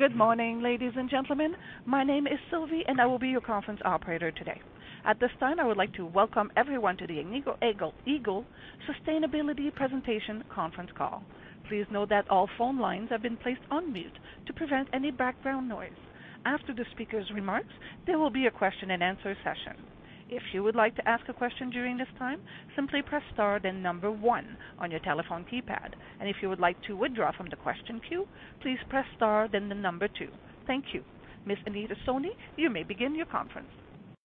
Good morning, ladies and gentlemen. My name is Sylvie, and I will be your conference operator today. At this time, I would like to welcome everyone to the Agnico Eagle Mines Sustainability Presentation conference call. Please note that all phone lines have been placed on mute to prevent any background noise. After the speaker's remarks, there will be a question and answer session. If you would like to ask a question during this time, simply press star then number one on your telephone keypad. If you would like to withdraw from the question queue, please press star then the number two. Thank you. Ms. Anita Soni, you may begin your conference.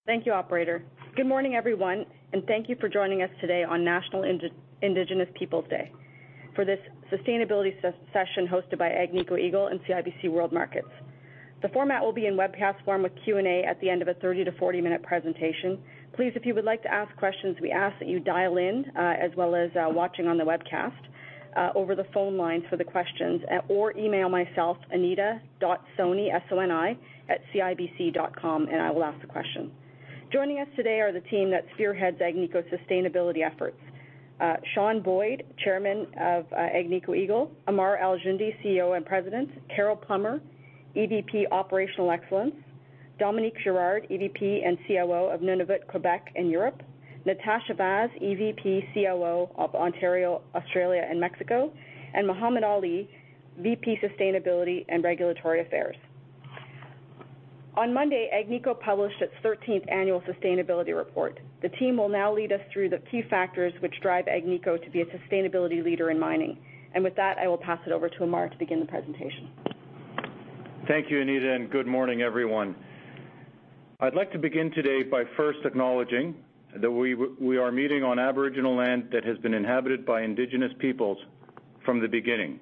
Thank you, operator. Good morning, everyone, and thank you for joining us today on National Indigenous Peoples Day for this sustainability session hosted by Agnico Eagle and CIBC Capital Markets. The format will be in webcast form with Q&A at the end of a 30-to-40-minute presentation. Please, if you would like to ask questions, we ask that you dial in, as well as, watching on the webcast, over the phone line for the questions, or email myself, anita.soni, S-O-N-I, @cibc.com, and I will ask the question. Joining us today are the team that spearheads Agnico's sustainability efforts, Sean Boyd, Chairman of Agnico Eagle; Ammar Al-Joundi, CEO and President; Carol Plummer, EVP, Operational Excellence; Dominique Girard, EVP and COO of Nunavut, Quebec and Europe; Natasha Vaz, EVP, COO of Ontario, Australia and Mexico; and Mohammed Ali, VP, Sustainability and Regulatory Affairs. On Monday, Agnico published its 13th Annual Sustainability Report. The team will now lead us through the key factors which drive Agnico to be a sustainability leader in mining. With that, I will pass it over to Ammar to begin the presentation. Thank you, Anita, and good morning, everyone. I'd like to begin today by first acknowledging that we are meeting on Aboriginal land that has been inhabited by Indigenous peoples from the beginning.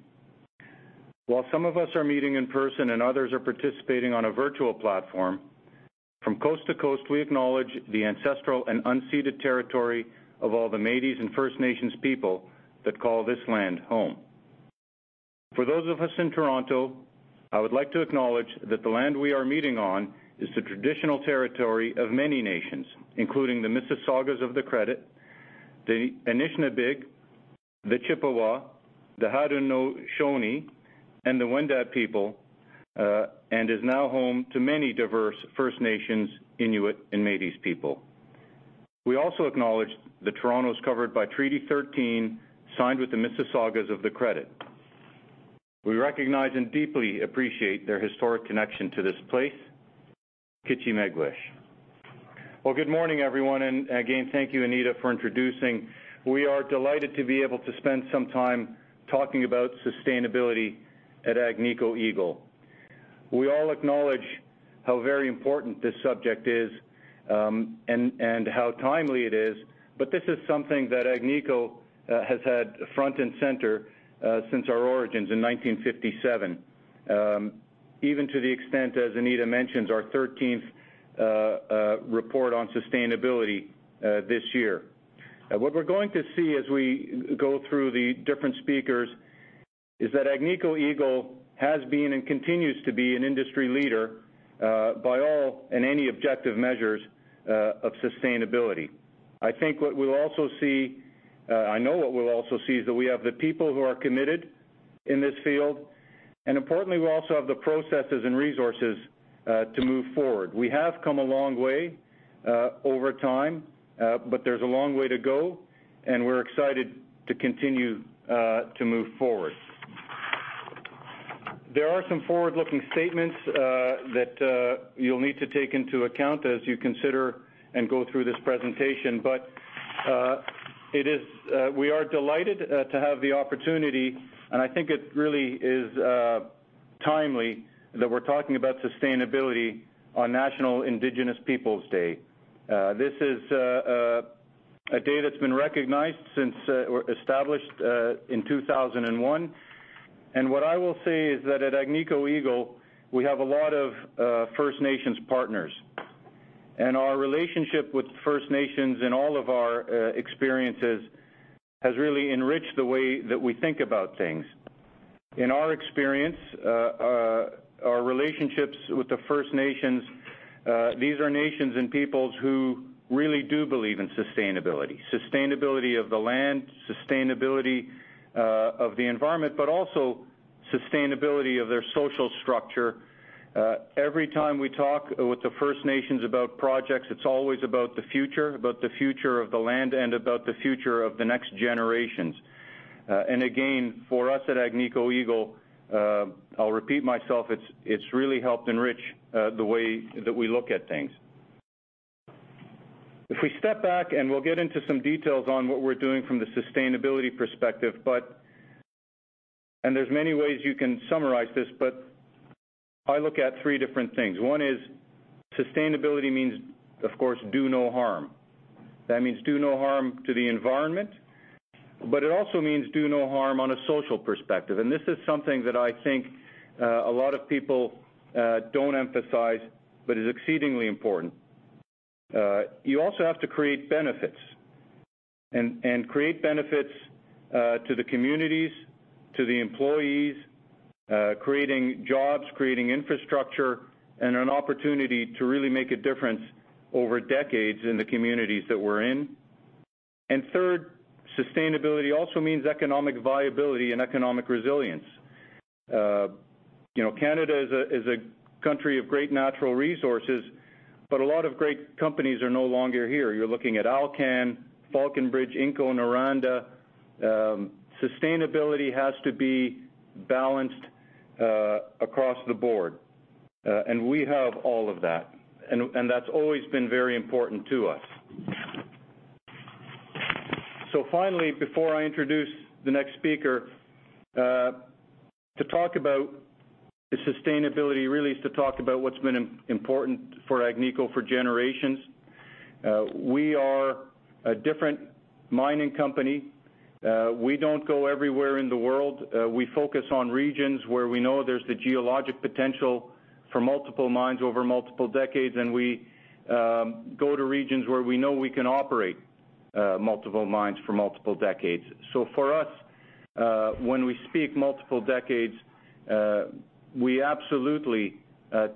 While some of us are meeting in person and others are participating on a virtual platform, from coast to coast, we acknowledge the ancestral and unceded territory of all the Métis and First Nations people that call this land home. For those of us in Toronto, I would like to acknowledge that the land we are meeting on is the traditional territory of many nations, including the Mississaugas of the Credit, the Anishinaabeg, the Chippewa, the Haudenosaunee, and the Wendat people, and is now home to many diverse First Nations, Inuit and Métis people. We also acknowledge that Toronto is covered by Treaty 13, signed with the Mississaugas of the Credit. We recognize and deeply appreciate their historic connection to this place. Well, good morning, everyone, and again, thank you, Anita, for introducing. We are delighted to be able to spend some time talking about sustainability at Agnico Eagle. We all acknowledge how very important this subject is, and how timely it is, but this is something that Agnico has had front and center since our origins in 1957, even to the extent, as Anita mentions, our 13th Report on Sustainability this year. Now, what we're going to see as we go through the different speakers is that Agnico Eagle has been and continues to be an industry leader by all and any objective measures of sustainability. I know what we'll also see is that we have the people who are committed in this field, and importantly, we also have the processes and resources to move forward. We have come a long way over time, but there's a long way to go and we're excited to continue to move forward. There are some forward-looking statements that you'll need to take into account as you consider and go through this presentation. We are delighted to have the opportunity, and I think it really is timely that we're talking about sustainability on National Indigenous Peoples Day. This is a day that's been recognized since or established in 2001. What I will say is that at Agnico Eagle, we have a lot of First Nations partners. Our relationship with First Nations in all of our experiences has really enriched the way that we think about things. In our experience, our relationships with the First Nations, these are nations and peoples who really do believe in sustainability of the land, sustainability of the environment, but also sustainability of their social structure. Every time we talk with the First Nations about projects, it's always about the future, about the future of the land and about the future of the next generations. Again, for us at Agnico Eagle, I'll repeat myself, it's really helped enrich the way that we look at things. If we step back and we'll get into some details on what we're doing from the sustainability perspective. There's many ways you can summarize this, but I look at three different things. One is sustainability means, of course, do no harm. That means do no harm to the environment, but it also means do no harm on a social perspective. This is something that I think a lot of people don't emphasize but is exceedingly important. You also have to create benefits to the communities, to the employees, creating jobs, creating infrastructure, and an opportunity to really make a difference over de$es in the communities that we're in. Third, sustainability also means economic viability and economic resilience. You know, Canada is a country of great natural resources, but a lot of great companies are no longer here. You're looking at Alcan, Falconbridge, Inco, Noranda. Sustainability has to be balanced across the board. We have all of that and that's always been very important to us. Finally, before I introduce the next speaker, to talk about the sustainability really is to talk about what's been important for Agnico for generations. We are a different mining company. We don't go everywhere in the world. We focus on regions where we know there's the geologic potential for multiple mines over multiple decades, and we go to regions where we know we can operate multiple mines for multiple decades. For us, when we speak multiple decades, we absolutely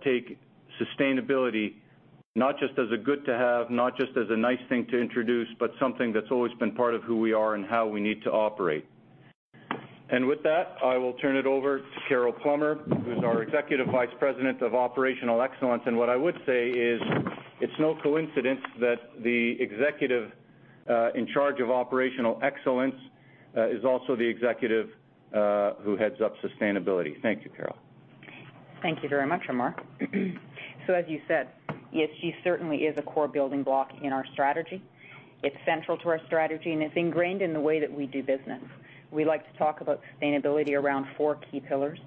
take sustainability not just as a good to have, not just as a nice thing to introduce, but something that's always been part of who we are and how we need to operate. With that, I will turn it over to Carol Plummer, who's our Executive Vice President of Operational Excellence. What I would say is it's no coincidence that the executive in charge of operational excellence is also the executive who heads up sustainability. Thank you, Carol. Thank you very much, Ammar. As you said, ESG certainly is a core building block in our strategy. It's central to our strategy, and it's ingrained in the way that we do business. We like to talk about sustainability around four key pillars,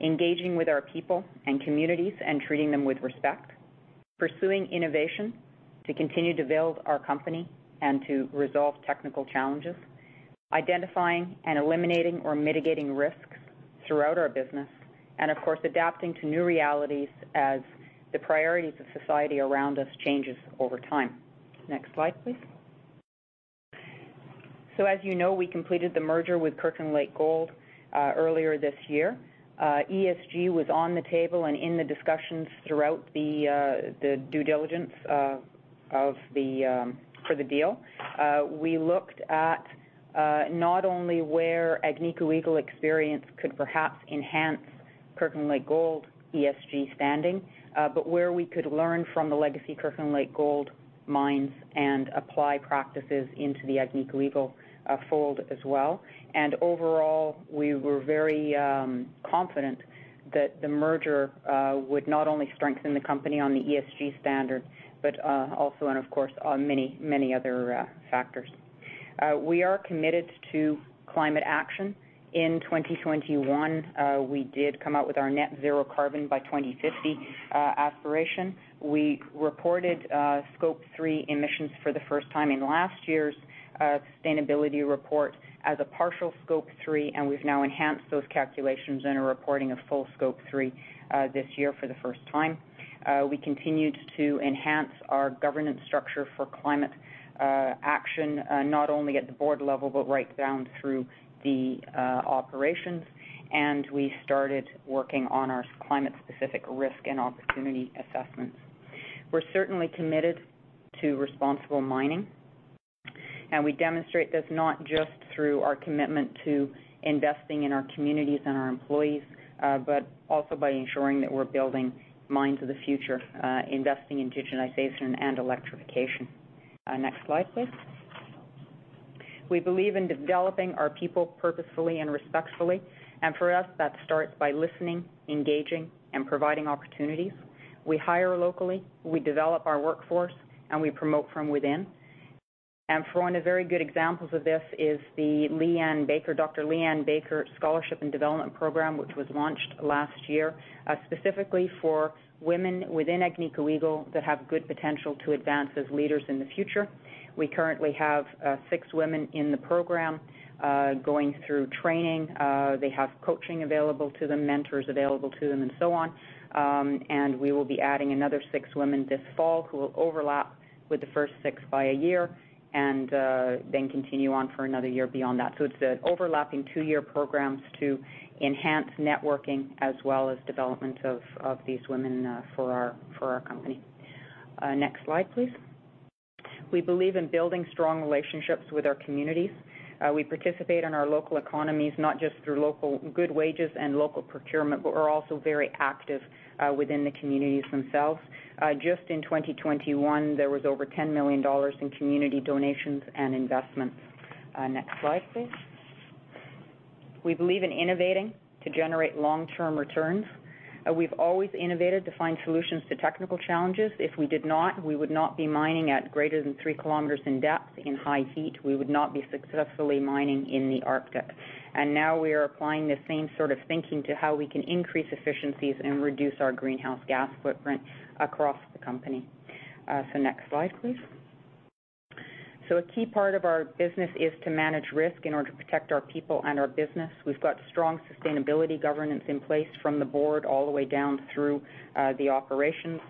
engaging with our people and communities and treating them with respect, pursuing innovation to continue to build our company and to resolve technical challenges, identifying and eliminating or mitigating risks throughout our business, and of course, adapting to new realities as the priorities of society around us changes over time. Next slide, please. As you know, we completed the merger with Kirkland Lake Gold earlier this year. ESG was on the table and in the discussions throughout the due diligence of the deal. We looked at not only where Agnico Eagle experience could perhaps enhance Kirkland Lake Gold ESG standing, but where we could learn from the legacy Kirkland Lake Gold mines and apply practices into the Agnico Eagle fold as well. Overall, we were very confident that the merger would not only strengthen the company on the ESG standard, but also and of course on many, many other factors. We are committed to climate action. In 2021, we did come out with our net zero carbon by 2050 aspiration. We reported Scope 3 emissions for the first time in last year's sustainability report as a partial Scope 3, and we've now enhanced those calculations in a reporting of full Scope 3 this year for the first time. We continued to enhance our governance structure for climate action, not only at the board level, but right down through the operations. We started working on our climate specific risk and opportunity assessments. We're certainly committed to responsible mining, and we demonstrate this not just through our commitment to investing in our communities and our employees, but also by ensuring that we're building mines of the future, investing in digitization and electrification. Next slide, please. We believe in developing our people purposefully and respectfully, and for us, that starts by listening, engaging, and providing opportunities. We hire locally, we develop our workforce, and we promote from within. For one of the very good examples of this is the Dr. Leanne Baker. Leanne Baker Scholarship and Development Program, which was launched last year, specifically for women within Agnico Eagle that have good potential to advance as leaders in the future. We currently have six women in the program, going through training. They have coaching available to them, mentors available to them, and so on. We will be adding another six women this fall who will overlap with the first six by a year and then continue on for another year beyond that. It's an overlapping two-year programs to enhance networking as well as development of these women for our company. Next slide, please. We believe in building strong relationships with our communities. We participate in our local economies, not just through local good wages and local procurement, but we're also very active within the communities themselves. Just in 2021, there was over $10 million in community donations and investments. Next slide, please. We believe in innovating to generate long-term returns. We've always innovated to find solutions to technical challenges. If we did not, we would not be mining at greater than 3 km in depth in high heat. We would not be successfully mining in the Arctic. Now we are applying the same sort of thinking to how we can increase efficiencies and reduce our greenhouse gas footprint across the company. Next slide, please. A key part of our business is to manage risk in order to protect our people and our business. We've got strong sustainability governance in place from the board all the way down through the operations.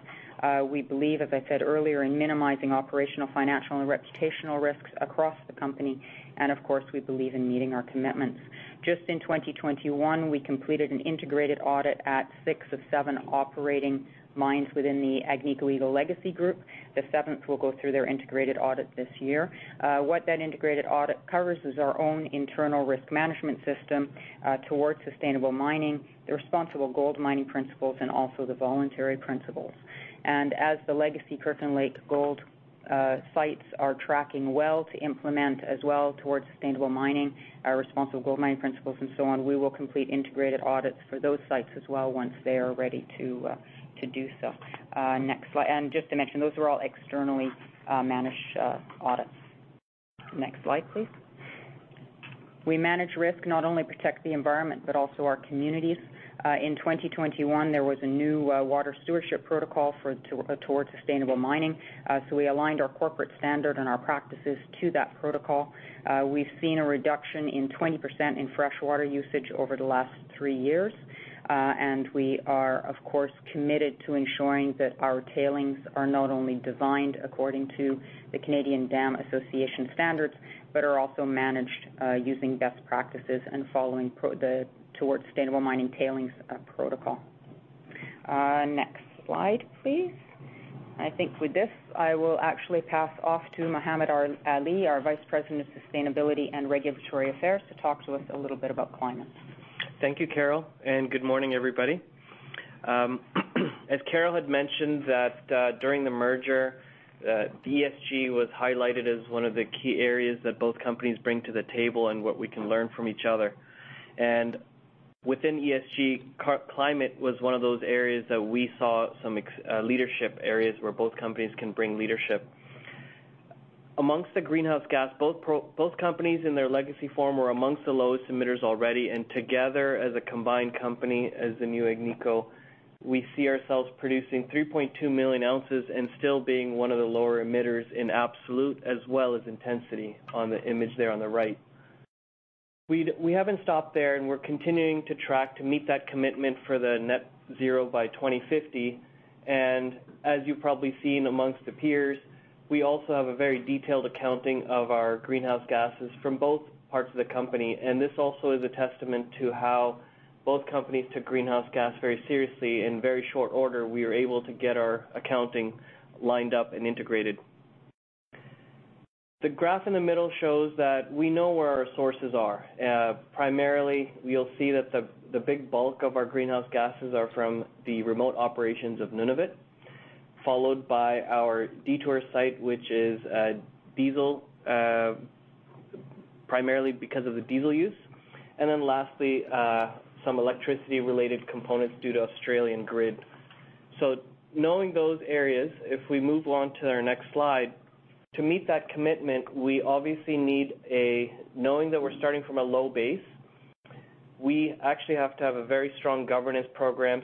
We believe, as I said earlier, in minimizing operational, financial, and reputational risks across the company, and of course, we believe in meeting our commitments. Just in 2021, we completed an integrated $it at six of seven operating mines within the Agnico Eagle legacy group. The seventh will go through their integrated audit this year. What that integrated audit covers is our own internal risk management system towards Sustainable Mining, the Responsible Gold Mining Principles, and also the Voluntary Principles. As the legacy Kirkland Lake Gold sites are tracking well to implement as well Towards Sustainable Mining, our Responsible Gold Mining Principles and so on, we will complete integrated $its for those sites as well once they are ready to do so. Next slide. Just to mention, those are all externally managed audits. Next slide, please. We manage risk not only protect the environment but also our communities. In 2021, there was a new water stewardship protocol for Towards Sustainable Mining. We aligned our corporate standard and our practices to that protocol. We've seen a reduction in 20% in fresh water usage over the last three years, and we are, of course, committed to ensuring that our tailings are not only designed according to the Canadian Dam Association standards, but are also managed using best practices and following the Towards Sustainable Mining tailings protocol. Next slide, please. I think with this, I will actually pass off to Mohammed Ali, our Vice President of Sustainability and Regulatory Affairs, to talk to us a little bit about climate. Thank you, Carol, and good morning, everybody. As Carol had mentioned that, during the merger, ESG was highlighted as one of the key areas that both companies bring to the table and what we can learn from each other. Within ESG, climate was one of those areas that we saw some leadership areas where both companies can bring leadership. Amongst the greenhouse gas, both companies in their legacy form were amongst the lowest emitters already. Together, as a combined company, as the new Agnico, we see ourselves producing 3.2 million oz and still being one of the lower emitters in absolute as well as intensity on the image there on the right. We haven't stopped there, and we're continuing to track to meet that commitment for the Net Zero by 2050. As you've probably seen among the peers, we also have a very detailed accounting of our greenhouse gases from both parts of the company, and this also is a testament to how both companies took greenhouse gas very seriously. In very short order, we were able to get our accounting lined up and integrated. The graph in the middle shows that we know where our sources are. Primarily, you'll see that the big bulk of our Greenhouse gases are from the remote operations of Nunavut, followed by our Detour site, which is diesel, primarily because of the diesel use. Then lastly, some electricity-related components due to Australian grid. Knowing those areas, if we move on to our next slide, to meet that commitment, we obviously need a... Knowing that we're starting from a low base, we actually have to have a very strong governance program.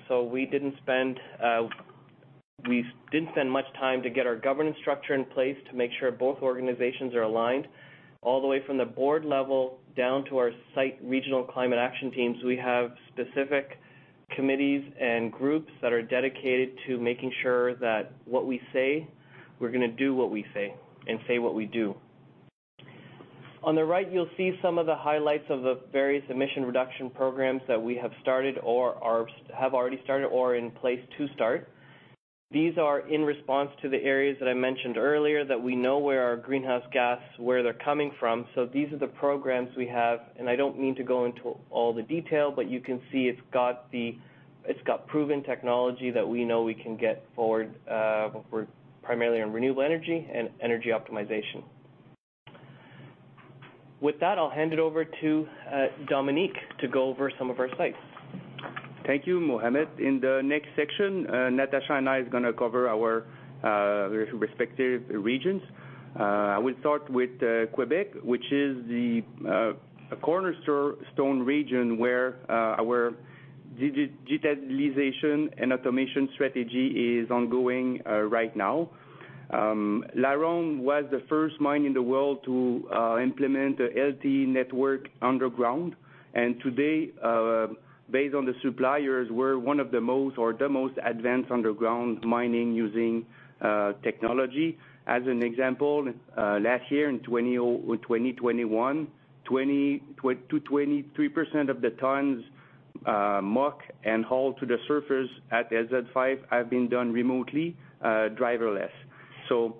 We didn't spend much time to get our governance structure in place to make sure both organizations are aligned. All the way from the board level down to our site regional climate action teams, we have specific committees and groups that are dedicated to making sure that what we say, we're gonna do what we say and say what we do. On the right, you'll see some of the highlights of the various emission reduction programs that we have started or have already started or are in place to start. These are in response to the areas that I mentioned earlier that we know where our greenhouse gas, where they're coming from. These are the programs we have, and I don't mean to go into all the detail, but you can see it's got proven technology that we know we can get forward for primarily on renewable energy and energy optimization. With that, I'll hand it over to Dominique to go over some of our sites. Thank you, Mohammed. In the next section, Natasha and I is gonna cover our respective regions. I will start with Quebec, which is a cornerstone region where our digitalization and automation strategy is ongoing right now. LaRonde was the first mine in the world to implement a LTE network underground. Today, based on the suppliers, we're one of the most advanced underground mining using technology. As an example, last year in 2021, 2%-3% of the tons muck and hauled to the surface at SZ5 have been done remotely driverless. I'm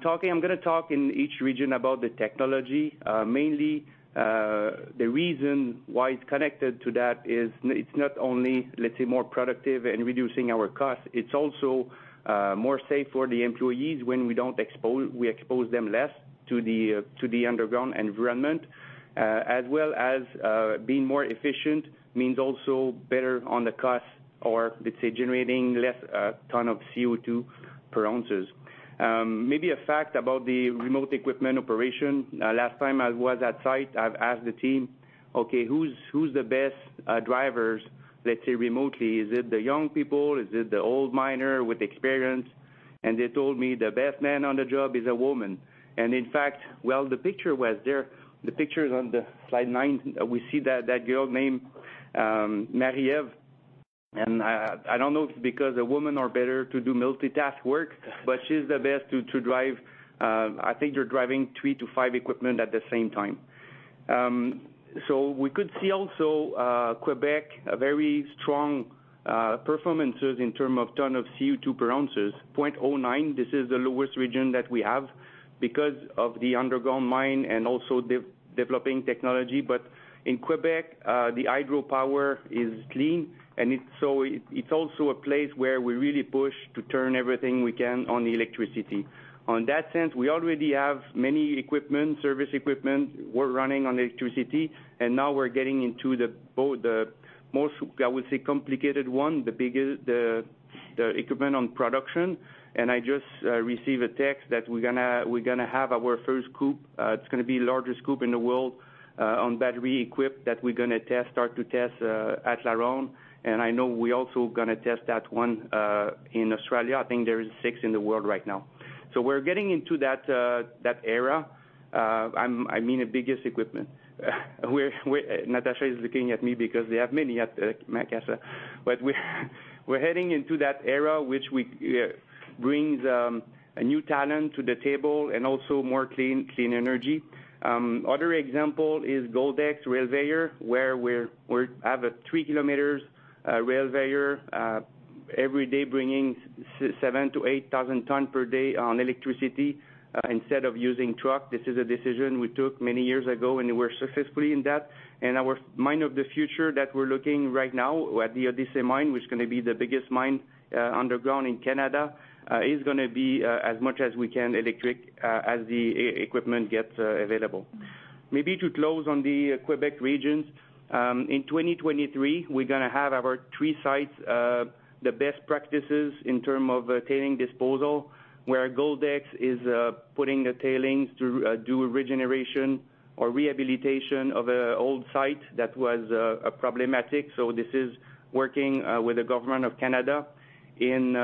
gonna talk in each region about the technology. Mainly, the reason why it's connected to that is it's not only, let's say, more productive in reducing our costs, it's also more safe for the employees when we expose them less to the underground environment. As well as, being more efficient means also better on the cost or, let's say, generating less ton of CO2 per oz. Maybe a fact about the remote equipment operation. Last time I was at site, I've asked the team, "Okay, who's the best drivers, let's say, remotely? Is it the young people? Is it the old miner with experience?" They told me the best man on the job is a woman. In fact, while the picture was there, the pictures on the slide nine, we see that girl named Marie-Eve. I don't know if it's because the women are better to do multitask work, but she's the best to drive. I think they're driving three to five equipment at the same time. We could see also Quebec, a very strong performances in term of ton of CO2 per oz, 0.09. This is the lowest region that we have because of the underground mine and also developing technology. In Quebec, the hydropower is clean, and it's also a place where we really push to turn everything we can on the electricity. In that sense, we already have many equipment, service equipment, we're running on electricity and now we're getting into the most, I would say, complicated one, the biggest, the equipment on production. I just received a text that we're gonna have our first scoop. It's gonna be largest scoop in the world on battery equip that we're gonna start to test at LaRonde. I know we're also gonna test that one in Australia. I think there is six in the world right now. We're getting into that era. I mean, the biggest equipment. Natasha is looking at me because they have many at Macassa. We're heading into that era which brings a new talent to the table and also more clean energy. Other example is Goldex rail courier where we have a 3 km mail courier every day bringing 7,000-8,000 ton per day on electricity instead of using truck. This is a decision we took many years ago, and we're successfully in that. Our mine of the future that we're looking right now at the Odyssey mine, which is gonna be the biggest mine underground in Canada, is gonna be as much as we can electric as the equipment gets available. Maybe to close on the Quebec regions, in 2023, we're gonna have our three sites the best practices in terms of tailings disposal. Where Goldex is putting the tailings to do a regeneration or rehabilitation of an old site that was problematic. This is working with the government of Canada. In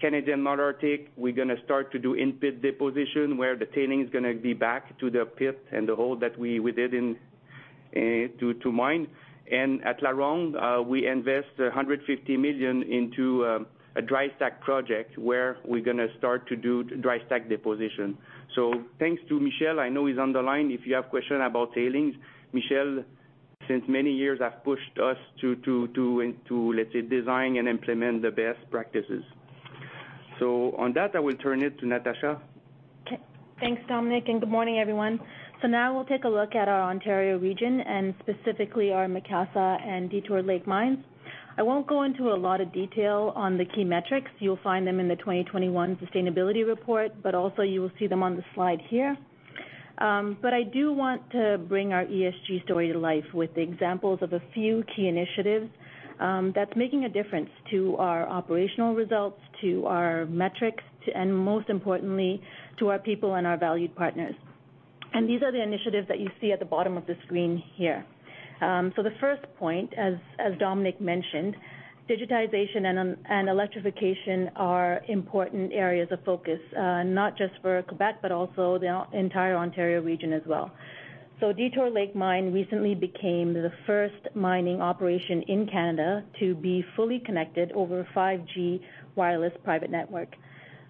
Canadian Malartic, we're gonna start to do in-pit deposition where the tailings is gonna be back to the pit and the hole that we did in to mine. At LaRonde, we invest $150 million into a dry stack project where we're gonna start to do dry stack deposition. Thanks to Michel, I know he's on the line, if you have question about tailings. Michel, since many years, have pushed us to, let's say, design and implement the best practices. On that, I will turn it to Natasha. Okay. Thanks, Dominique, and good morning everyone. Now we'll take a look at our Ontario region and specifically our Macassa and Detour Lake mines. I won't go into a lot of detail on the key metrics. You'll find them in the 2021 sustainability report, but also you will see them on the slide here. But I do want to bring our ESG story to life with the examples of a few key initiatives, that's making a difference to our operational results, to our metrics, to and most importantly, to our people and our valued partners. These are the initiatives that you see at the bottom of the screen here. The first point, as Dominique mentioned, digitization and and electrification are important areas of focus, not just for Quebec, but also the entire Ontario region as well. Detour Lake Mine recently became the first mining operation in Canada to be fully connected over 5G wireless private network.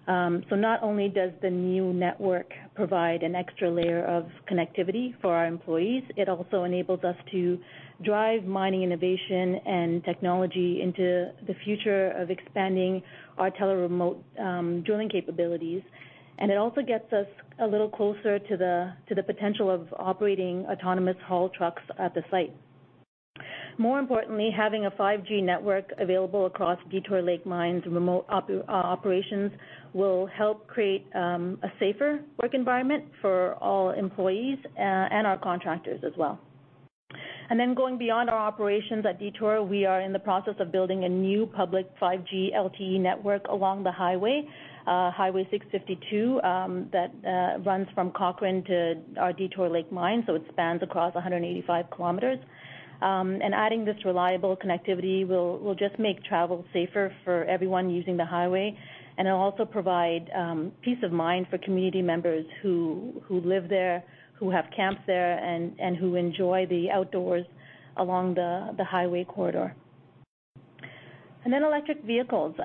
Not only does the new network provide an extra layer of connectivity for our employees, it also enables us to drive mining innovation and technology into the future of expanding our tele-remote drilling capabilities. It also gets us a little closer to the potential of operating autonomous haul trucks at the site. More importantly, having a 5G network available across Detour Lake Mine's remote operations will help create a safer work environment for all employees and our contractors as well. Going beyond our operations at Detour, we are in the process of building a new public 5G LTE network along the highway, Highway 652, that runs from Cochrane to our Detour Lake mine, so it spans across 185 km. Adding this reliable connectivity will just make travel safer for everyone using the highway, and it'll also provide peace of mind for community members who live there, who have camps there, and who enjoy the outdoors along the highway corridor. Electric vehicles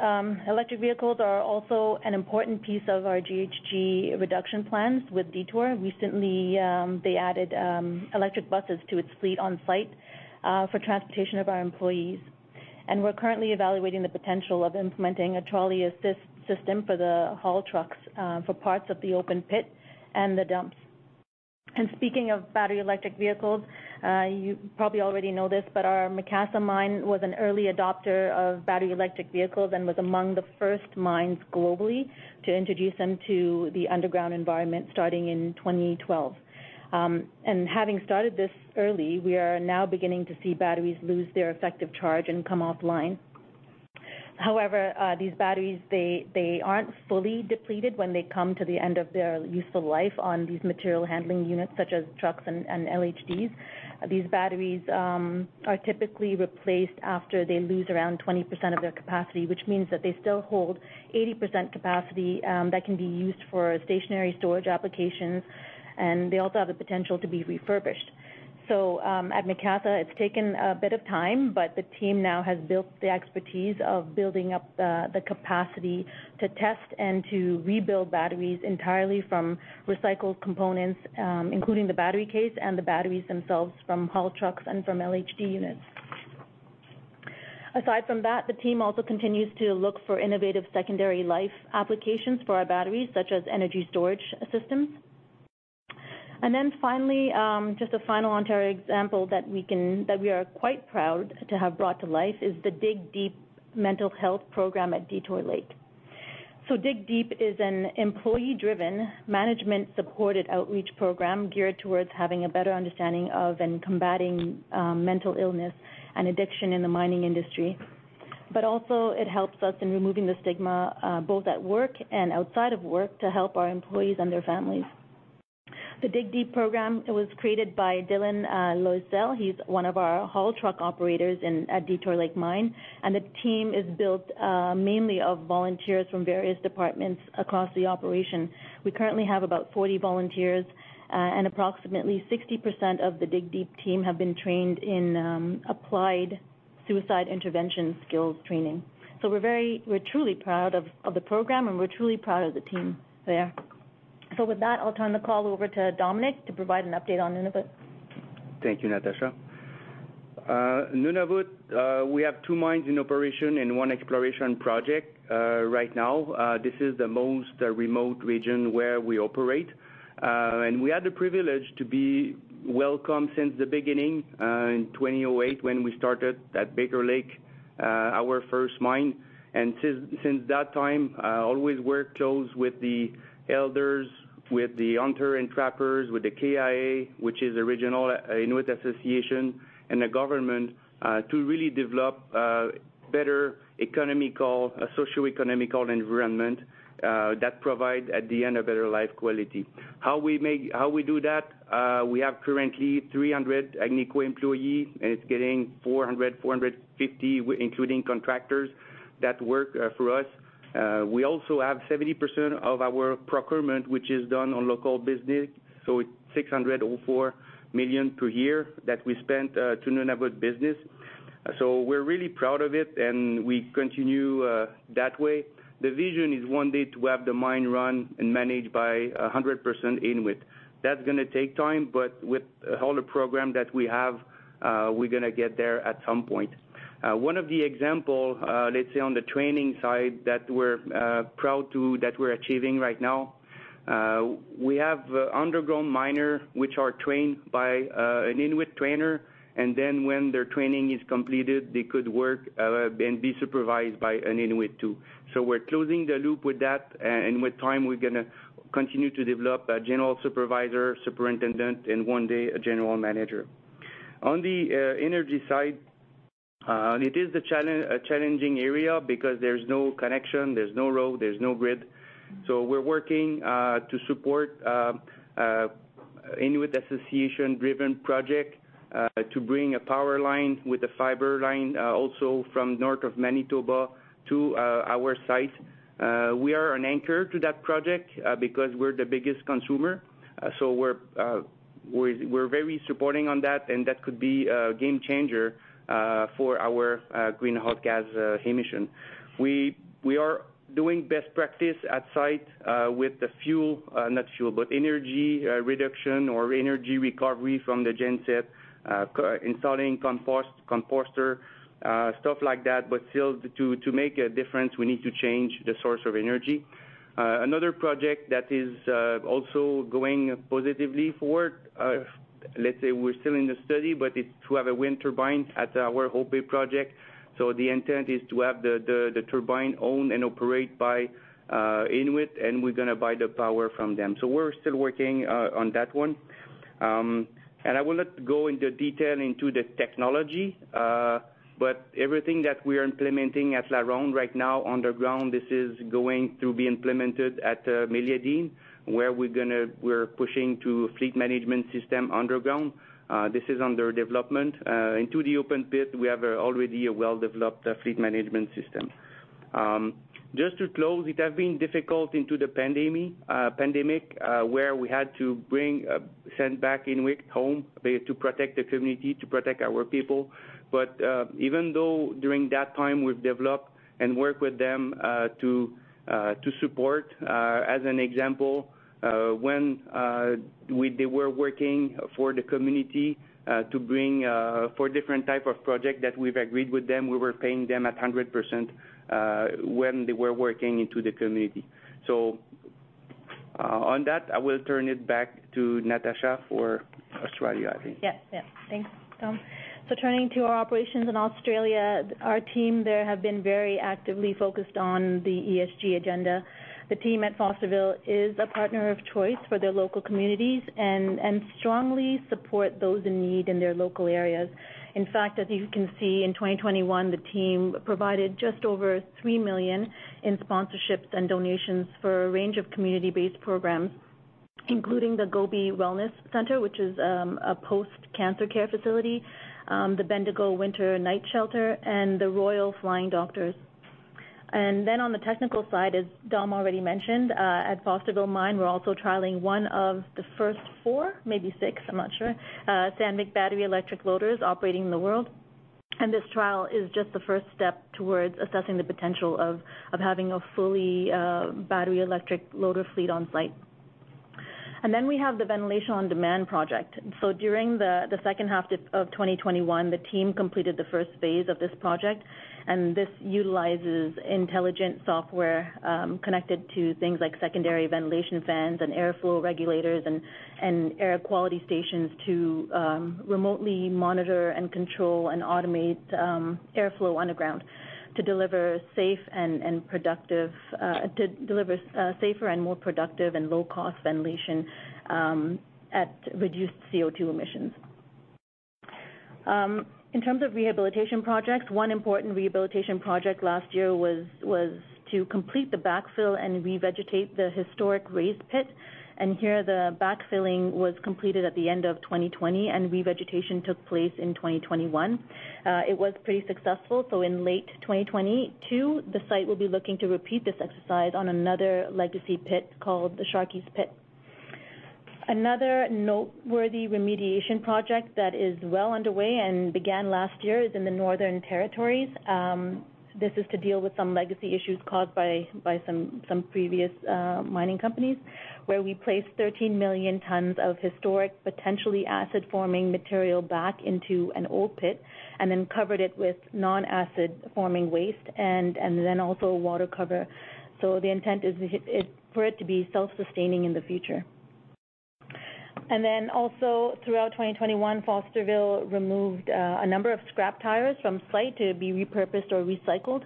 are also an important piece of our GHG reduction plans with Detour. Recently, they added electric buses to its fleet on site for transportation of our employees. We're currently evaluating the potential of implementing a trolley assist system for the haul trucks, for parts of the open pit and the dumps. Speaking of battery electric vehicles, you probably already know this, but our Macassa mine was an early adopter of battery electric vehicles and was among the first mines globally to introduce them to the underground environment starting in 2012. Having started this early, we are now beginning to see batteries lose their effective charge and come offline. However, these batteries, they aren't fully depleted when they come to the end of their useful life on these material handling units such as trucks and LHDs. These batteries are typically replaced after they lose around 20% of their capacity, which means that they still hold 80% capacity that can be used for stationary storage applications, and they also have the potential to be refurbished. At Macassa, it's taken a bit of time, but the team now has built the expertise of building up the capacity to test and to rebuild batteries entirely from recycled components, including the battery case and the batteries themselves from haul trucks and from LHD units. Aside from that, the team also continues to look for innovative secondary life applications for our batteries, such as energy storage systems. Then finally, just a final Ontario example that we are quite proud to have brought to life is the Dig Deep mental health program at Detour Lake. Dig Deep is an employee-driven, management-supported outreach program geared towards having a better understanding of and combating mental illness and addiction in the mining industry. Also it helps us in removing the stigma both at work and outside of work to help our employees and their families. The Dig Deep program was created by Dylan Loiselle. He's one of our haul truck operators at Detour Lake Mine, and the team is built mainly of volunteers from various departments across the operation. We currently have about 40 volunteers, and approximately 60% of the Dig Deep team have been trained in Applied Suicide Intervention Skills Training. We're truly proud of the program, and we're truly proud of the team there. With that, I'll turn the call over to Dominique to provide an update on Nunavut. Thank you, Natasha. Nunavut, we have two mines in operation and one exploration project. Right now, this is the most remote region where we operate. We had the privilege to be welcome since the beginning in 2008 when we started at Baker Lake, our first mine. Since that time, always work close with the elders, with the hunters and trappers, with the KIA, which is the regional Inuit Association, and the government, to really develop better economic, socio-economic environment that provide at the end a better life quality. How do we do that? We currently have 300 Agnico employees, and it's getting 400-450, including contractors that work for us. We also have 70% of our procurement, which is done on local business. It's $ 604 million per year that we spent to Nunavut business. We're really proud of it, and we continue that way. The vision is one day to have the mine run and managed by 100% Inuit. That's gonna take time, but with all the program that we have, we're gonna get there at some point. One of the example, let's say, on the training side that we're achieving right now, we have underground miner which are trained by an Inuit trainer, and then when their training is completed, they could work and be supervised by an Inuit too. We're closing the loop with that, and with time, we're gonna continue to develop a General Supervisor, Superintendent, and one day a General Manager. On the energy side, and it is a challenging area because there's no connection, there's no road, there's no grid. We're working to support Inuit association-driven project to bring a power line with a fiber line also from north of Manitoba to our site. We are an anchor to that project because we're the biggest consumer. We're very supportive of that, and that could be a game changer for our greenhouse gas emission. We are doing best practice at site with the energy reduction or energy recovery from the genset, installing composter stuff like that, but still to make a difference, we need to change the source of energy. Another project that is also going positively forward, let's say we're still in the study, but it's to have a wind turbine at our Hope Bay project. The intent is to have the turbine owned and operate by Inuit, and we're gonna buy the power from them. We're still working on that one. I will not go into detail into the technology, but everything that we are implementing at LaRonde right now underground, this is going to be implemented at Meliadine, where we're pushing to Fleet Management System underground. This is under development. Into the open pit, we have already a well-developed Fleet Management System. Just to close, it has been difficult during the pandemic, where we had to send back Inuit home to protect the community, to protect our people. Even though during that time, we've developed and worked with them to support, as an example, when they were working for the community to bring four different type of project that we've agreed with them, we were paying them at 100% when they were working into the community. On that, I will turn it back to Natasha for Australia, I think. Yes. Yes. Thanks, Dom. Turning to our operations in Australia, our team there have been very actively focused on the ESG agenda. The team at Fosterville is a partner of choice for their local communities and strongly support those in need in their local areas. In fact, as you can see, in 2021, the team provided just over $3 million in sponsorships and donations for a range of community-based programs, including the Gobbé Wellness Center, which is a post-cancer care facility, the Bendigo Winter Night Shelter and the Royal Flying Doctor Service. On the technical side, as Dom already mentioned, at Fosterville mine, we're also trialing one of the first four, maybe six, I'm not sure, Sandvik battery electric loaders operating in the world. This trial is just the first step towards assessing the potential of having a fully battery electric loader fleet on site. Then we have the ventilation on-demand project. During the second half of 2021, the team completed the first phase of this project, and this utilizes intelligent software connected to things like secondary ventilation fans and airflow regulators and air quality stations to remotely monitor and control and automate airflow underground to deliver safer and more productive and low cost ventilation at reduced CO2 emissions. In terms of rehabilitation projects, one important rehabilitation project last year was to complete the backfill and revegetate the historic Sharkey's Pit. Here, the backfilling was completed at the end of 2020, and revegetation took place in 2021. It was pretty successful, so in late 2022, the site will be looking to repeat this exercise on another legacy pit called the Sharkey's Pit. Another noteworthy remediation project that is well underway and began last year is in the Northwest Territories. This is to deal with some legacy issues caused by some previous mining companies, where we placed 13 million tons of historic, potentially acid-forming material back into an old pit and then covered it with non-acid forming waste and then also water cover. The intent is for it to be self-sustaining in the future. Then also throughout 2021, Fosterville removed a number of scrap tires from site to be repurposed or recycled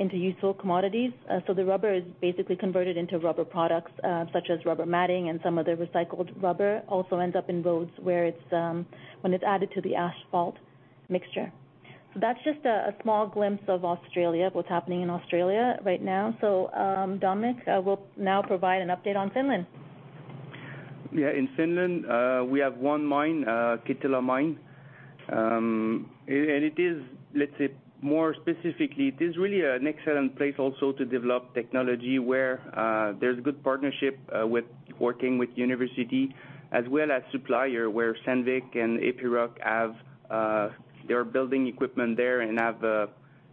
into useful commodities. The rubber is basically converted into rubber products, such as rubber matting and some other recycled rubber also ends up in roads where it's, when it's added to the asphalt mixture. That's just a small glimpse of Australia, what's happening in Australia right now. Dominique will now provide an update on Finland. In Finland, we have one mine, Kittilä mine. It is, let's say, more specifically, it is really an excellent place also to develop technology where there's good partnership with working with university as well as supplier, where Sandvik and Epiroc have they are building equipment there and have a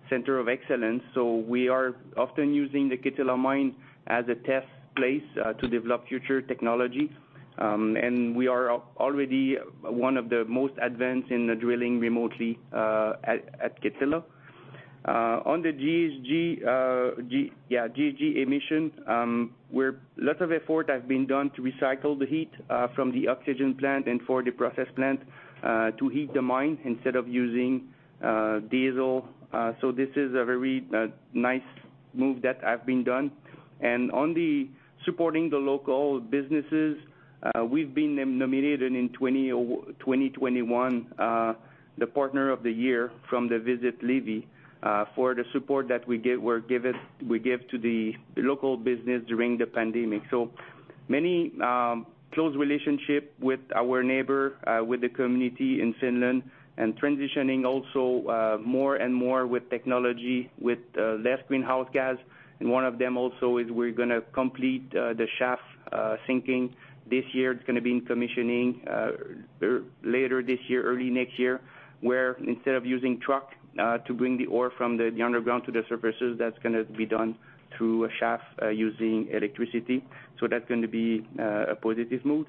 center of excellence. We are often using the Kittilä mine as a test place to develop future technology. We are already one of the most advanced in the drilling remotely at Kittilä. On the GHG emission, lots of effort have been done to recycle the heat from the oxygen plant and for the process plant to heat the mine instead of using diesel. This is a very nice move that have been done. On supporting the local businesses, we've been nominated in 2021, the partner of the year from Visit Levi for the support that we give to the local business during the pandemic. Many close relationship with our neighbor with the community in Finland, and transitioning also more and more with technology with less greenhouse gas. One of them also is we're gonna complete the shaft sinking this year. It's gonna be in commissioning later this year, early next year, where instead of using truck to bring the ore from the underground to the surface, that's gonna be done through a shaft using electricity. That's going to be a positive move.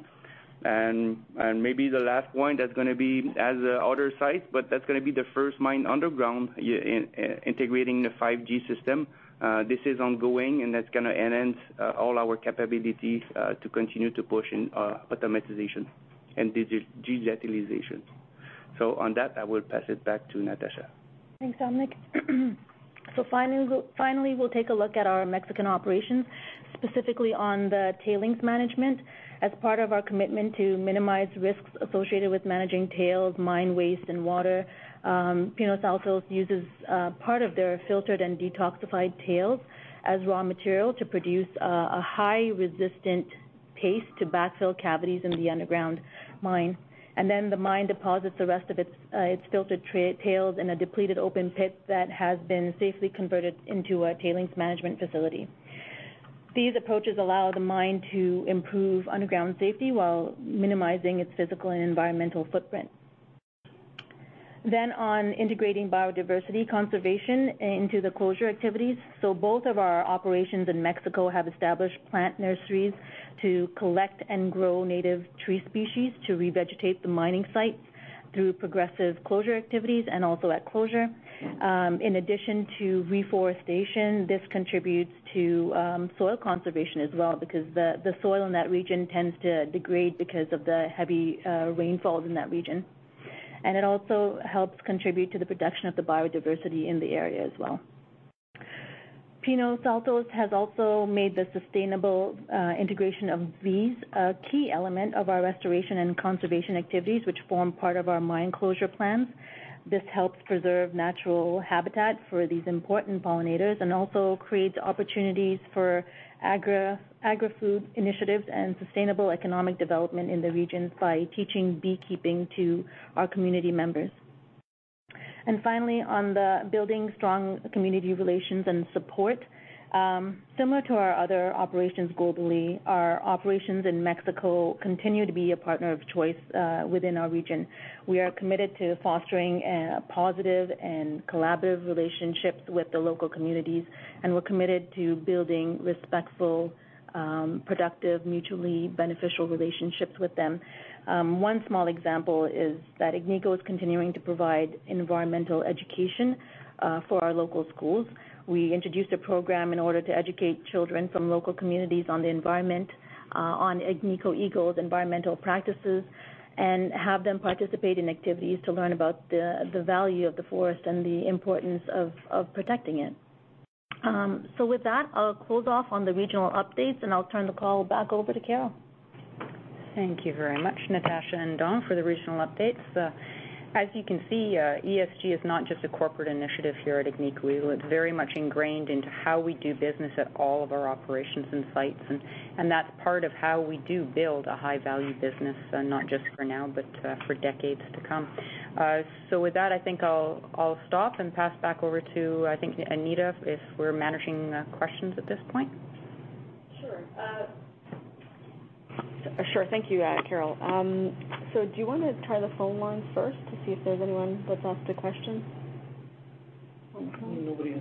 Maybe the last point, that's gonna be as another site, but that's gonna be the first mine underground in integrating the 5G system. This is ongoing, and that's gonna enhance all our capabilities to continue to push in our automation and digitalization. On that, I will pass it back to Natasha. Thanks, Dominique. Finally we'll take a look at our Mexican operations, specifically on the tailings management. As part of our commitment to minimize risks associated with managing tails, mine waste and water, Pinos Altos uses part of their filtered and detoxified tails as raw material to produce a high resistant paste to backfill cavities in the underground mine. The mine deposits the rest of its filtered tails in a depleted open pit that has been safely converted into a tailings management facility. These approaches allow the mine to improve underground safety while minimizing its physical and environmental footprint. On integrating biodiversity conservation into the closure activities. Both of our operations in Mexico have established plant nurseries to collect and grow native tree species to revegetate the mining site through progressive closure activities and also at closure. In addition to reforestation, this contributes to soil conservation as well because the soil in that region tends to degrade because of the heavy rainfalls in that region. It also helps contribute to the production of the biodiversity in the area as well. Pinos Altos has also made the sustainable integration of bees a key element of our restoration and conservation activities, which form part of our mine closure plans. This helps preserve natural habitat for these important pollinators and also creates opportunities for agri-food initiatives and sustainable economic development in the regions by teaching beekeeping to our community members. Finally, on the building strong community relations and support, similar to our other operations globally, our operations in Mexico continue to be a partner of choice within our region. We are committed to fostering a positive and collaborative relationships with the local communities, and we're committed to building respectful, productive, mutually beneficial relationships with them. One small example is that Agnico is continuing to provide environmental education for our local schools. We introduced a program in order to educate children from local communities on the environment, on Agnico Eagle's environmental practices and have them participate in activities to learn about the value of the forest and the importance of protecting it. With that, I'll close off on the regional updates, and I'll turn the call back over to Carol. Thank you very much, Natasha and Dom, for the regional updates. As you can see, ESG is not just a corporate initiative here at Agnico Eagle. It's very much ingrained into how we do business at all of our operations and sites, and that's part of how we do build a high value business, not just for now, but for decades to come. With that, I think I'll stop and pass back over to, I think, Anita, if we're managing questions at this point. Sure. Thank you, Carol. Do you wanna try the phone lines first to see if there's anyone that's asked a question? Phone lines? Nobody has.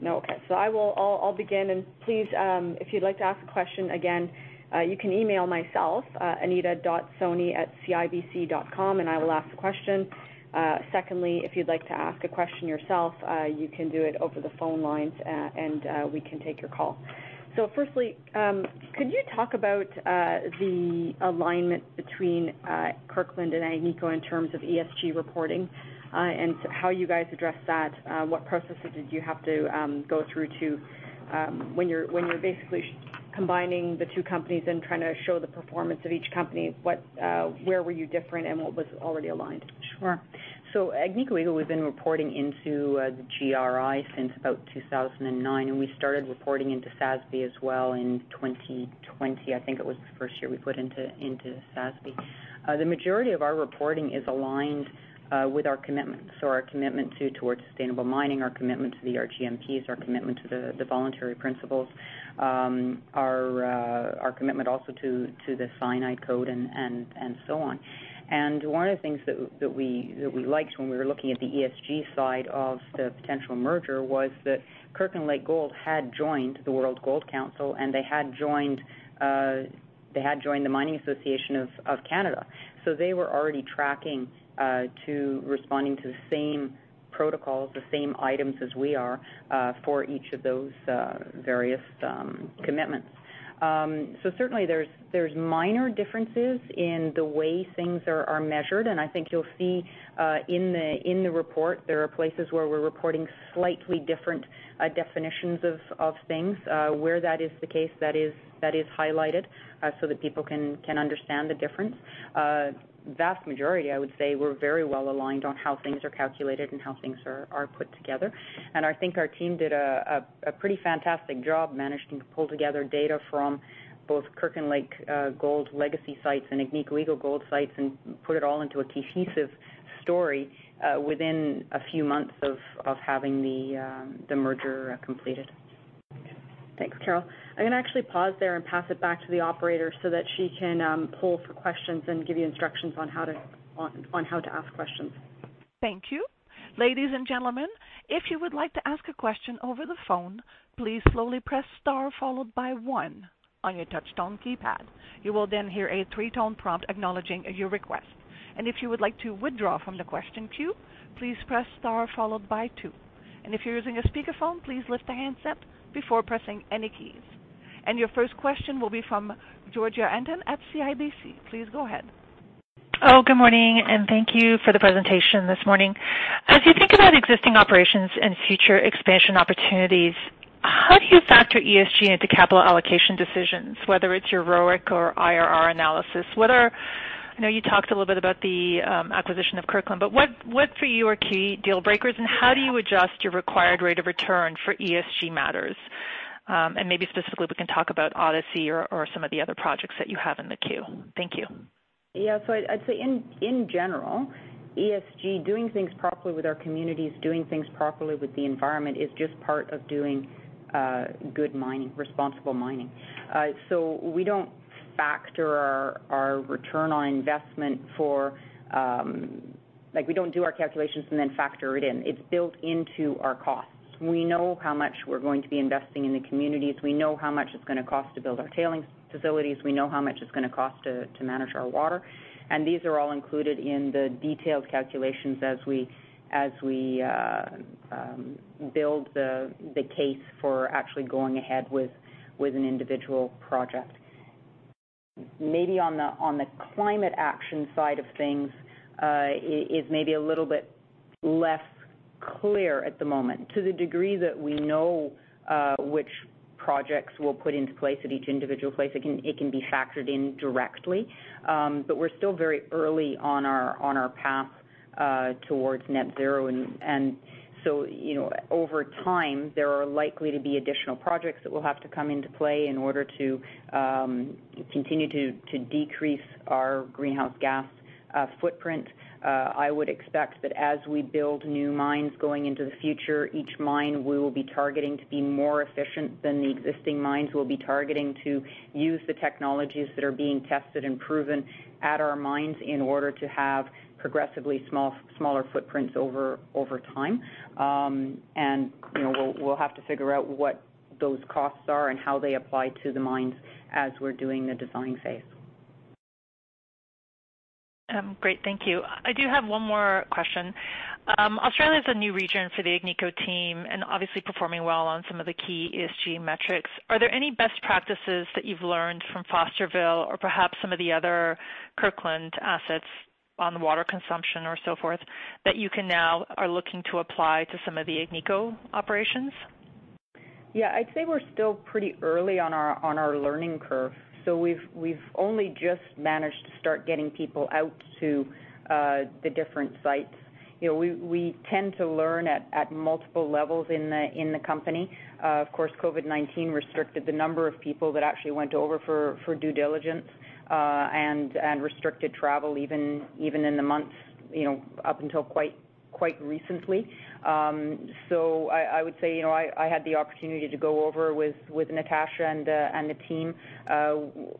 No? Okay. I'll begin and please, if you'd like to ask a question, again, you can email myself, anita.soni@cibc.com, and I will ask the question. Secondly, if you'd like to ask a question yourself, you can do it over the phone lines, and we can take your call. Firstly, could you talk about the alignment between Kirkland and Agnico in terms of ESG reporting, and how you guys address that? What processes did you have to go through to, when you're basically combining the two companies and trying to show the performance of each company, what, where were you different and what was already aligned? Sure. Agnico Eagle, we've been reporting into the GRI since about 2009, and we started reporting into SASB as well in 2020. I think it was the first year we put into SASB. The majority of our reporting is aligned with our commitments. Our commitment to Towards Sustainable Mining, our commitment to the RGMPs, our commitment to the Voluntary Principles, our commitment also to the Cyanide Code and so on. One of the things that we liked when we were looking at the ESG side of the potential merger was that Kirkland Lake Gold had joined the World Gold Council, and they had joined the Mining Association of Canada. They were already tracking and responding to the same protocols, the same items as we are for each of those various commitments. Certainly there's minor differences in the way things are measured, and I think you'll see in the report, there are places where we're reporting slightly different definitions of things. Where that is the case, that is highlighted so that people can understand the difference. Vast majority, I would say, we're very well aligned on how things are calculated and how things are put together. I think our team did a pretty fantastic job managing to pull together data from both Kirkland Lake Gold's legacy sites and Agnico Eagle gold sites and put it all into a cohesive story within a few months of having the merger completed. Thanks, Carol. I'm gonna actually pause there and pass it back to the operator so that she can pull for questions and give you instructions on how to ask questions. Thank you. Ladies and gentlemen, if you would like to ask a question over the phone, please slowly press star followed by one on your touchtone keypad. You will then hear a three-tone prompt acknowledging your request. If you would like to withdraw from the question queue, please press star followed by two. If you're using a speakerphone, please lift the handset before pressing any keys. Your first question will be from Giorgia Anton at CIBC. Please go ahead. Good morning, and thank you for the presentation this morning. As you think about existing operations and future expansion opportunities, how do you factor ESG into capital allocation decisions, whether it's your ROIC or IRR analysis? I know you talked a little bit about the acquisition of Kirkland, but what for you are key deal breakers, and how do you adjust your required rate of return for ESG matters? Maybe specifically, we can talk about Odyssey or some of the other projects that you have in the queue. Thank you. Yeah. I'd say in general, ESG, doing things properly with our communities, doing things properly with the environment is just part of doing good mining, responsible mining. We don't factor our return on investment for like we don't do our calculations and then factor it in. It's built into our costs. We know how much we're going to be investing in the communities. We know how much it's gonna cost to build our tailings facilities. We know how much it's gonna cost to manage our water. And these are all included in the detailed calculations as we build the case for actually going ahead with an individual project. Maybe on the climate action side of things, it is maybe a little bit less clear at the moment. To the degree that we know which projects we'll put into place at each individual place, it can be factored in directly. But we're still very early on our path towards Net Zero. You know, over time, there are likely to be additional projects that will have to come into play in order to continue to decrease our greenhouse gas footprint. I would expect that as we build new mines going into the future, each mine we will be targeting to be more efficient than the existing mines. We'll be targeting to use the technologies that are being tested and proven at our mines in order to have progressively smaller footprints over time. You know, we'll have to figure out what those costs are and how they apply to the mines as we're doing the design phase. Great. Thank you. I do have one more question. Australia's a new region for the Agnico team and, obviously, performing well on some of the key ESG metrics. Are there any best practices that you've learned from Fosterville or perhaps some of the other Kirkland assets on water consumption or so forth that you are looking to apply to some of the Agnico operations? Yeah. I'd say we're still pretty early on our learning curve, so we've only just managed to start getting people out to the different sites. You know, we tend to learn at multiple levels in the company. Of course, COVID-19 restricted the number of people that actually went over for due diligence and restricted travel even in the months, you know, up until quite recently. So I would say, you know, I had the opportunity to go over with Natasha and the team.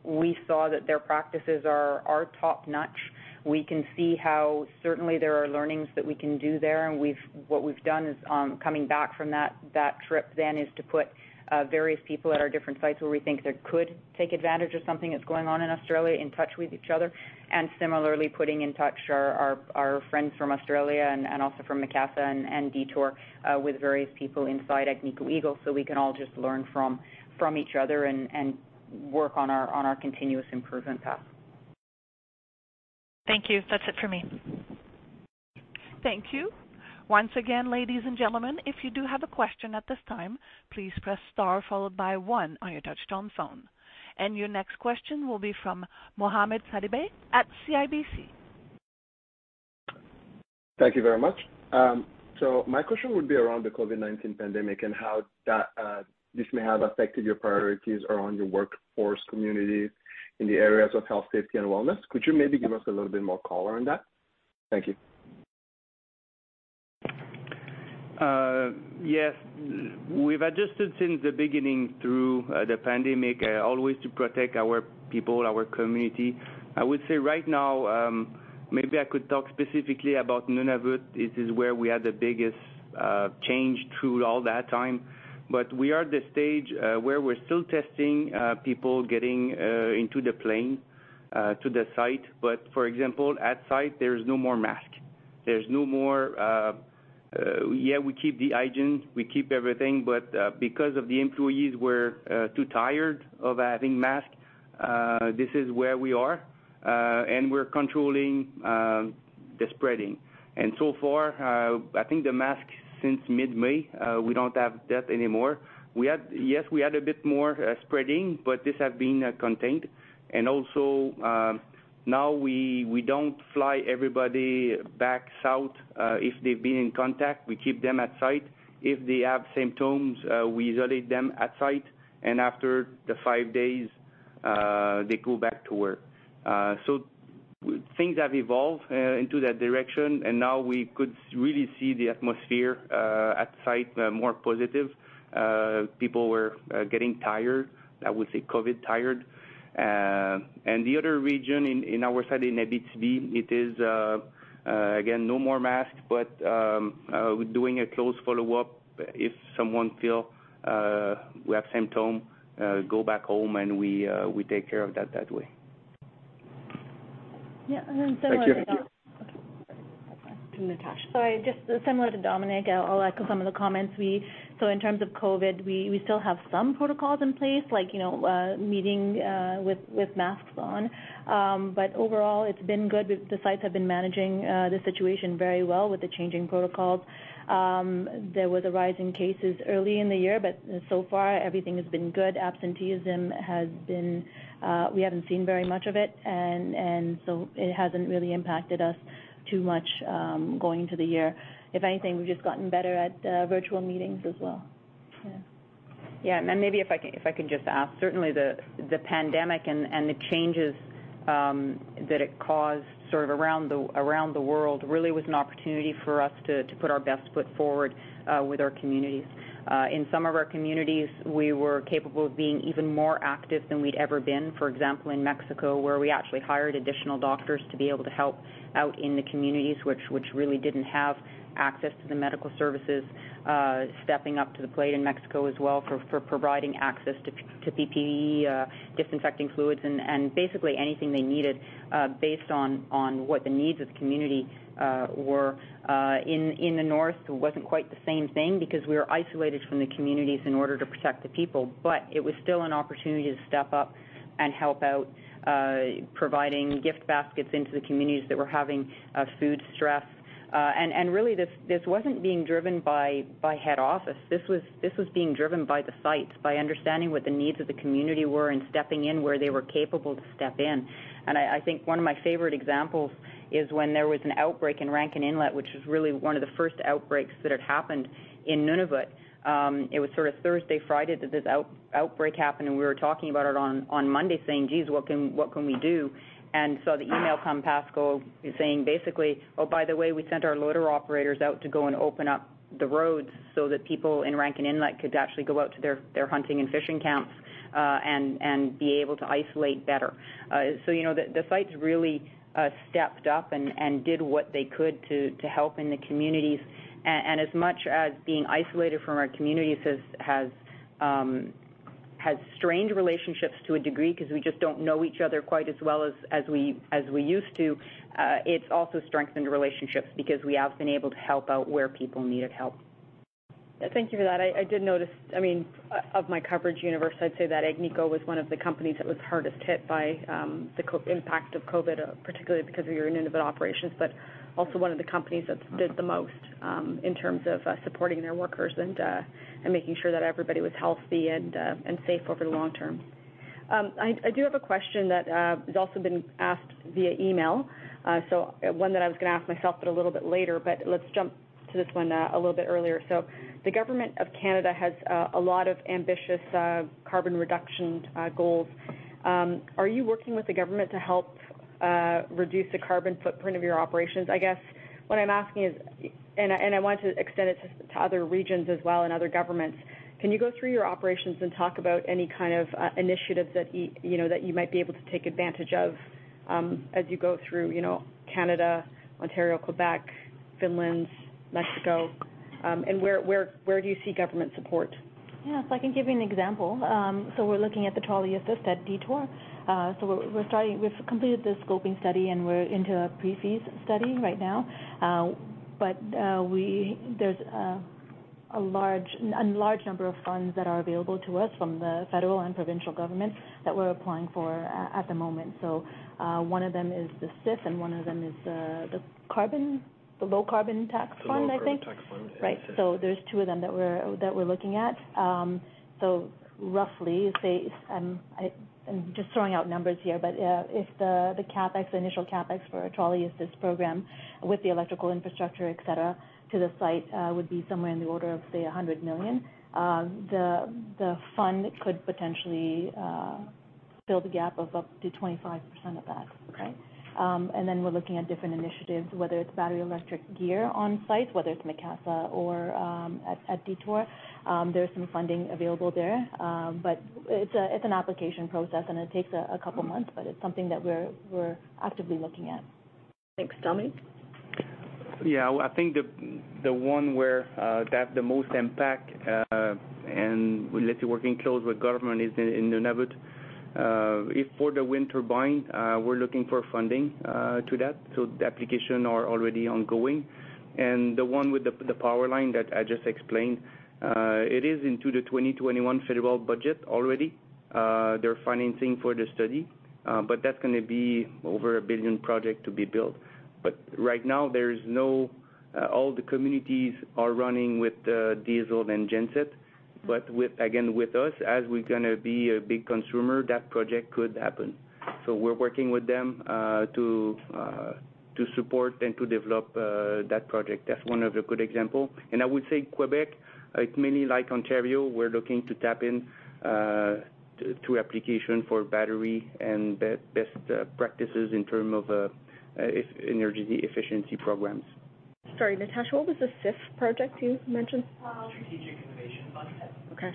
We saw that their practices are top-notch. We can see how certainly there are learnings that we can do there, and we've. What we've done is, coming back from that trip, to put various people at our different sites where we think they could take advantage of something that's going on in Australia in touch with each other and similarly putting in touch our friends from Australia and also from Macassa and Detour with various people inside Agnico Eagle so we can all just learn from each other and work on our continuous improvement path. Thank you. That's it for me. Thank you. Once again, ladies and gentlemen, if you do have a question at this time, please press star followed by one on your touch-tone phone. Your next question will be from Mohammed Sadibek at CIBC. Thank you very much. My question would be around the COVID-19 pandemic and how that, this may have affected your priorities around your workforce communities in the areas of health, safety, and wellness. Could you maybe give us a little bit more color on that? Thank you. Yes. We've adjusted since the beginning through the pandemic always to protect our people, our community. I would say right now, maybe I could talk specifically about Nunavut. This is where we had the biggest change through all that time. We are at the stage where we're still testing people getting into the plane to the site. For example, at site, there's no more mask. There's no more. We keep the hygiene, we keep everything, but because of the employees were too tired of having mask, this is where we are, and we're controlling the spreading. So far, I think the mask since mid-May, we don't have that anymore. We had a bit more spreading, but this have been contained. Also, now we don't fly everybody back south if they've been in contact. We keep them at site. If they have symptoms, we isolate them at site, and after the five days, they go back to work. Things have evolved into that direction, and now we could really see the atmosphere at site more positive. People were getting tired, I would say COVID tired. The other region in our side, in Abitibi, it is again, no more mask, but we're doing a close follow-up. If someone feel they have symptoms, go back home and we take care of that way. Yeah, similar to Dom. Thank you. Okay. Sorry. To Natasha. Sorry. Just similar to Dominique, I'll echo some of the comments. In terms of COVID, we still have some protocols in place, like, you know, meeting with masks on. Overall, it's been good. The sites have been managing the situation very well with the changing protocols. There was a rise in cases early in the year, but so far everything has been good. Absenteeism has been. We haven't seen very much of it and so it hasn't really impacted us too much going into the year. If anything, we've just gotten better at virtual meetings as well. Yeah. Yeah. Maybe if I can just add, certainly the pandemic and the changes that it caused sort of around the world really was an opportunity for us to put our best foot forward with our communities. In some of our communities, we were capable of being even more active than we'd ever been. For example, in Mexico, where we actually hired additional doctors to be able to help out in the communities which really didn't have access to the medical services, stepping up to the plate in Mexico as well for providing access to PPE, disinfecting fluids, and basically anything they needed based on what the needs of the community were. In the North, it wasn't quite the same thing because we were isolated from the communities in order to protect the people. It was still an opportunity to step up and help out, providing gift baskets into the communities that were having food stress. Really, this wasn't being driven by head office. This was being driven by the sites, by understanding what the needs of the community were and stepping in where they were capable to step in. I think one of my favorite examples is when there was an outbreak in Rankin Inlet, which was really one of the first outbreaks that had happened in Nunavut. It was sort of Thursday, Friday, that this outbreak happened, and we were talking about it on Monday saying, "Geez, what can we do?" Saw the email come, Pascal, saying basically, "Oh, by the way, we sent our loader operators out to go and open up the roads so that people in Rankin Inlet could actually go out to their hunting and fishing camps, and be able to isolate better." You know, the sites really stepped up and did what they could to help in the communities. As much as being isolated from our communities has strained relationships to a degree 'cause we just don't know each other quite as well as we used to, it's also strengthened relationships because we have been able to help out where people needed help. Thank you for that. I did notice, I mean, of my coverage universe, I'd say that Agnico was one of the companies that was hardest hit by the COVID impact, particularly because of your Nunavut operations, but also one of the companies that did the most in terms of supporting their workers and making sure that everybody was healthy and safe over the long term. I do have a question that has also been asked via email. One that I was gonna ask myself but a little bit later, but let's jump to this one a little bit earlier. The government of Canada has a lot of ambitious carbon reduction goals. Are you working with the government to help reduce the carbon footprint of your operations? I guess what I'm asking is, I want to extend it to other regions as well and other governments. Can you go through your operations and talk about any kind of initiatives that you know that you might be able to take advantage of, as you go through, you know, Canada, Ontario, Quebec, Finland, Mexico, and where do you see government support? Yeah. If I can give you an example. We're looking at the trolley assist at Detour. We've completed the scoping study, and we're into a pre-feas study right now. There's a large number of funds that are available to us from the federal and provincial government that we're applying for at the moment. One of them is the SIF, and one of them is the Low Carbon Tax Fund, I think. The Low Carbon Tax Fund, yeah. Right. There's two of them that we're looking at. Roughly, say, I'm just throwing out numbers here, but if the initial CapEx for a trolley assist program with the electrical infrastructure, et cetera, to the site would be somewhere in the order of, say, $100 million, the fund could potentially fill the gap of up to 25% of that. Okay. We're looking at different initiatives, whether it's battery electric gear on site, whether it's Macassa or at Detour. There's some funding available there. It's an application process, and it takes a couple months, but it's something that we're actively looking at. Thanks. Dominique? Yeah. I think the one where they have the most impact and we're literally working close with government is in Nunavut. As for the wind turbine, we're looking for funding for that, so the application are already ongoing. The one with the power line that I just explained, it is in the 2021 Federal Budget already. They're financing for the study, but that's gonna be over $1 billion project to be built. Right now all the communities are running with diesel and genset. But with, again, with us, as we're gonna be a big consumer, that project could happen. We're working with them to support and to develop that project. That's one of the good example. I would say Quebec, it's mainly like Ontario. We're looking to tap into applications for battery and best practices in terms of energy efficiency programs. Sorry, Natasha, what was the SIF project you mentioned? Strategic Innovation Fund. Okay.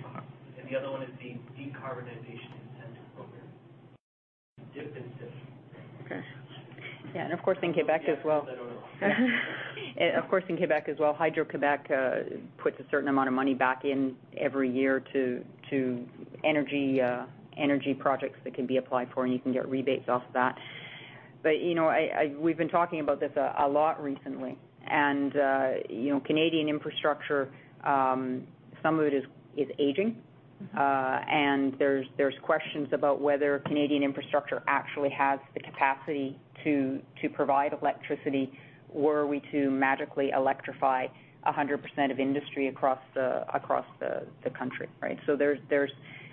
The other one is the Decarbonization Incentive Program. DIF and SIF. Okay. Yeah. Of course, in Quebec as well. Yeah. Of course, in Quebec as well, Hydro-Québec puts a certain amount of money back in every year to energy projects that can be applied for, and you can get rebates off that. You know, we've been talking about this a lot recently. You know, Canadian infrastructure, some of it is aging. There's questions about whether Canadian infrastructure actually has the capacity to provide electricity were we to magically electrify 100% of industry across the country, right? There's,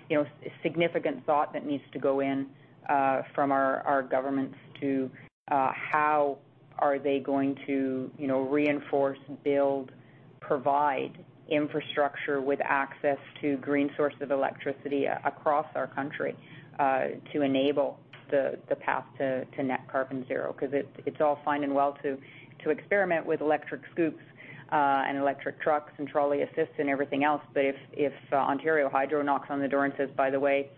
you know, significant thought that needs to go in from our governments to how are they going to, you know, reinforce, build, provide infrastructure with access to green sources of electricity across our country to enable the path to net carbon zero. 'Cause it's all fine and well to experiment with electric scoops and electric trucks and trolley assists and everything else, but if Ontario Hydro knocks on the door and says, "By the way,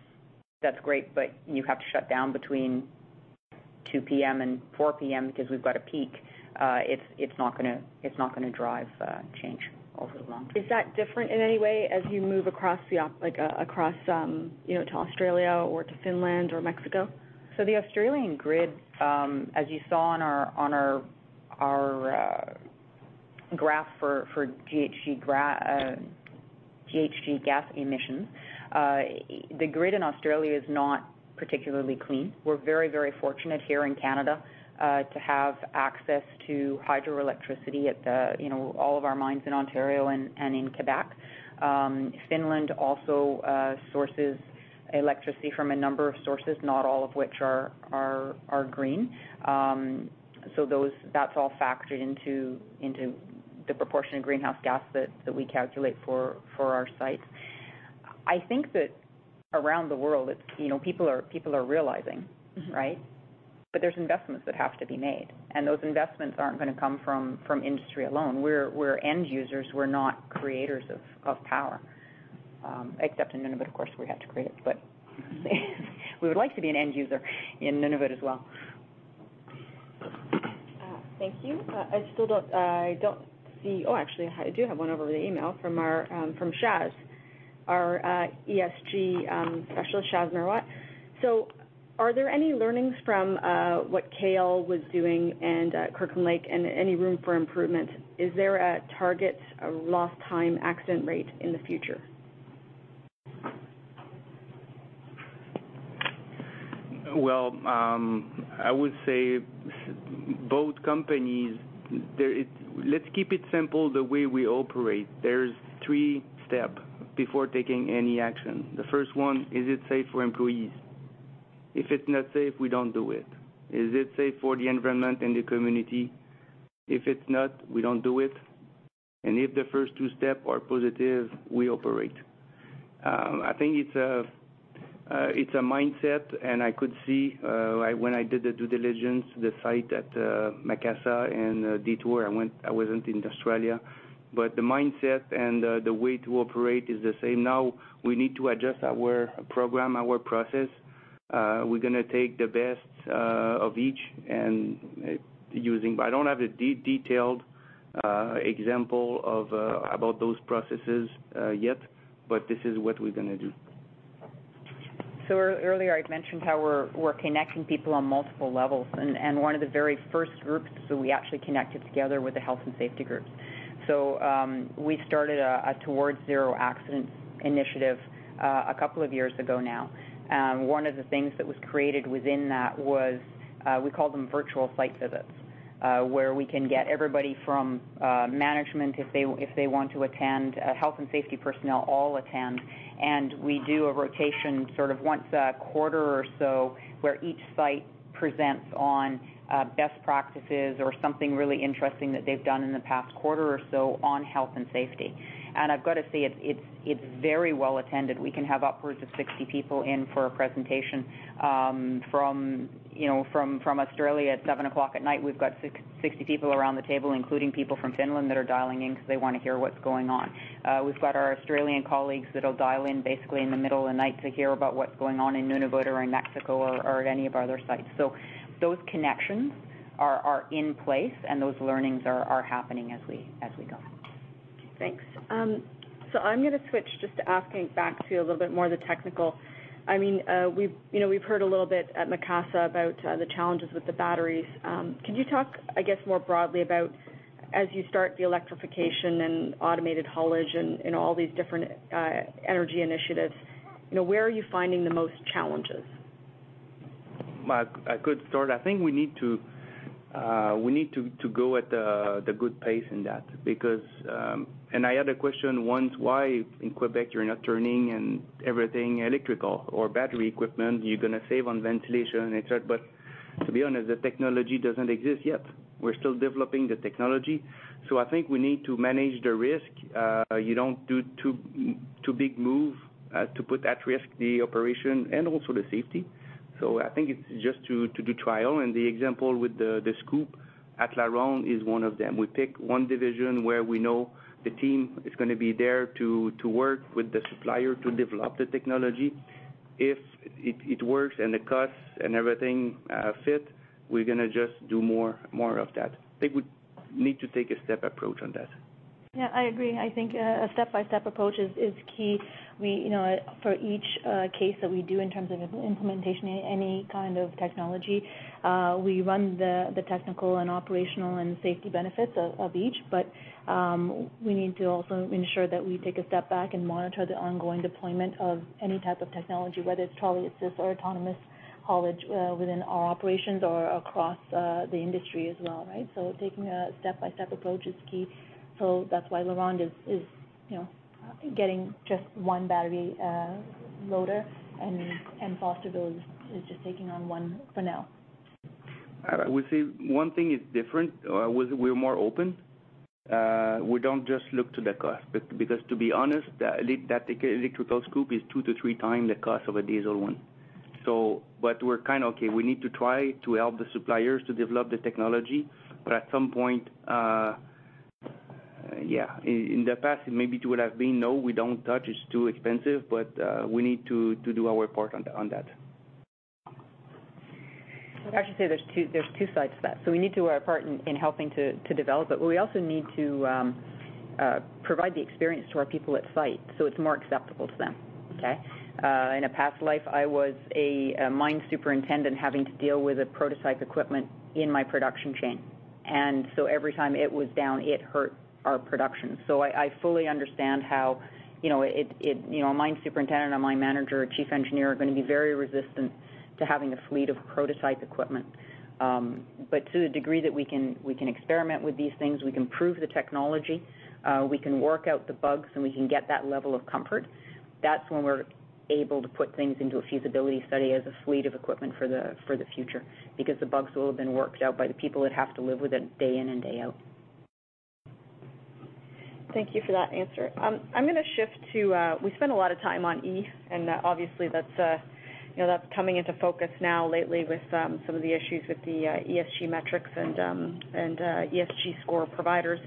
that's great, but you have to shut down between 2:00 P.M. - 4:00 P.M. because we've got a peak," it's not gonna drive change over the long term. Is that different in any way as you move across, you know, to Australia or to Finland or Mexico? The Australian grid, as you saw on our graph for GHG gas emissions, the grid in Australia is not particularly clean. We're very fortunate here in Canada to have access to hydroelectricity at all of our mines in Ontario and in Quebec. Finland also sources electricity from a number of sources, not all of which are green. That's all factored into the proportion of greenhouse gas that we calculate for our sites. I think that around the world, it's people are realizing, right? But there's investments that have to be made, and those investments aren't gonna come from industry alone. We're end users, we're not creators of power. Except in Nunavut, of course, we had to create it, but we would like to be an end user in Nunavut as well. Thank you. I still don't see. Actually, I do have one over the email from our Shaz, our ESG specialist, Shaz Narwat. Are there any learnings from what Cale was doing and Kirkland Lake and any room for improvement? Is there a target, a lost time accident rate in the future? Well, I would say both companies. Let's keep it simple the way we operate. There's three steps before taking any action. The first one, is it safe for employees? If it's not safe, we don't do it. Is it safe for the environment and the community? If it's not, we don't do it. If the first two steps are positive, we operate. I think it's a mindset, and I could see when I did the due diligence, the site at Macassa and Detour. I wasn't in Australia. The mindset and the way to operate is the same. Now we need to adjust our program, our process. We're gonna take the best of each and using... I don't have a detailed example about those processes yet, but this is what we're gonna do. Earlier, I'd mentioned how we're connecting people on multiple levels, and one of the very first groups that we actually connected together were the health and safety groups. We started a Towards Zero Accidents initiative a couple of years ago now. One of the things that was created within that was we call them virtual site visits, where we can get everybody from management if they want to attend, health and safety personnel all attend. We do a rotation sort of once a quarter or so, where each site presents on best practices or something really interesting that they've done in the past quarter or so on health and safety. I've got to say it's very well attended. We can have upwards of 60 people in for a presentation from Australia at 7:00 P.M. We've got 60 people around the table, including people from Finland that are dialing in because they wanna hear what's going on. We've got our Australian colleagues that'll dial in basically in the middle of the night to hear about what's going on in Nunavut or in Mexico or at any of our other sites. Those connections are in place and those learnings are happening as we go. Thanks. I'm gonna switch just to asking back to you a little bit more of the technical. I mean, you know, we've heard a little bit at Macassa about the challenges with the batteries. Can you talk, I guess, more broadly about as you start the electrification and automated haulage and all these different energy initiatives, you know, where are you finding the most challenges? A good start, I think we need to go at the good pace in that because and I had a question once, why in Quebec, you're not turning and everything electrical or battery equipment, you're gonna save on ventilation, et cetera. But to be honest, the technology doesn't exist yet. We're still developing the technology. So I think we need to manage the risk. You don't do too big move to put at risk the operation and also the safety. So I think it's just to do trial. The example with the scoop at LaRonde is one of them. We pick one division where we know the team is gonna be there to work with the supplier to develop the technology. If it works and the costs and everything fit, we're gonna just do more of that. I think we need to take a step approach on that. Yeah, I agree. I think a step-by-step approach is key. We, you know, for each case that we do in terms of implementation, any kind of technology, we run the technical and operational and safety benefits of each. We need to also ensure that we take a step back and monitor the ongoing deployment of any type of technology, whether it's trolley assist or autonomous haulage, within our operations or across the industry as well, right? Taking a step-by-step approach is key. That's why LaRonde is, you know, getting just one battery loader and Fosterville is just taking on one for now. We say one thing is different, we're more open. We don't just look to the cost because to be honest, that electrical scoop is 2x-3x the cost of a diesel one. We're kind of, okay, we need to try to help the suppliers to develop the technology, but at some point, yeah, in the past, it maybe would have been, "No, we don't touch. It's too expensive," but we need to do our part on that. I should say there's two sides to that. We need to do our part in helping to develop it, but we also need to provide the experience to our people at site, so it's more acceptable to them, okay? In a past life, I was a mine superintendent having to deal with a prototype equipment in my production chain. Every time it was down, it hurt our production. I fully understand how, you know, it, you know, a mine superintendent, a mine manager, a chief engineer are gonna be very resistant to having a fleet of prototype equipment. To the degree that we can, we can experiment with these things, we can prove the technology, we can work out the bugs, and we can get that level of comfort. That's when we're able to put things into a feasibility study as a fleet of equipment for the future, because the bugs will have been worked out by the people that have to live with it day in and day out. Thank you for that answer. I'm gonna shift to we spent a lot of time on E, and obviously that's, you know, that's coming into focus now lately with some of the issues with the ESG metrics and ESG score providers.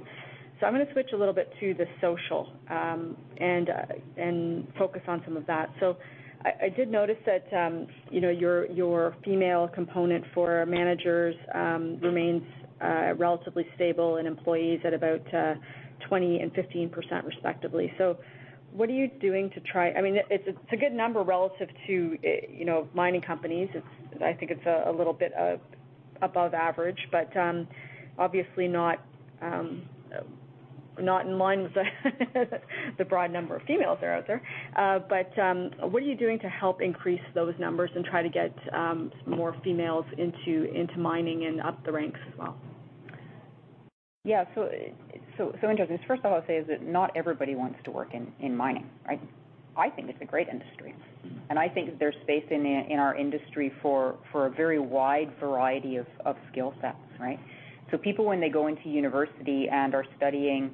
I'm gonna switch a little bit to the social and focus on some of that. I did notice that, you know, your female component for managers remains relatively stable, and employees at about 20% and 15% respectively. What are you doing? I mean, it's a good number relative to you know, mining companies. It's, I think it's a little bit above average. But obviously not in line with the broad number of females that are out there. What are you doing to help increase those numbers and try to get more females into mining and up the ranks as well? Yeah. In terms of this, first of all, I'll say is that not everybody wants to work in mining, right? I think it's a great industry, and I think there's space in our industry for a very wide variety of skill sets, right? People, when they go into university and are studying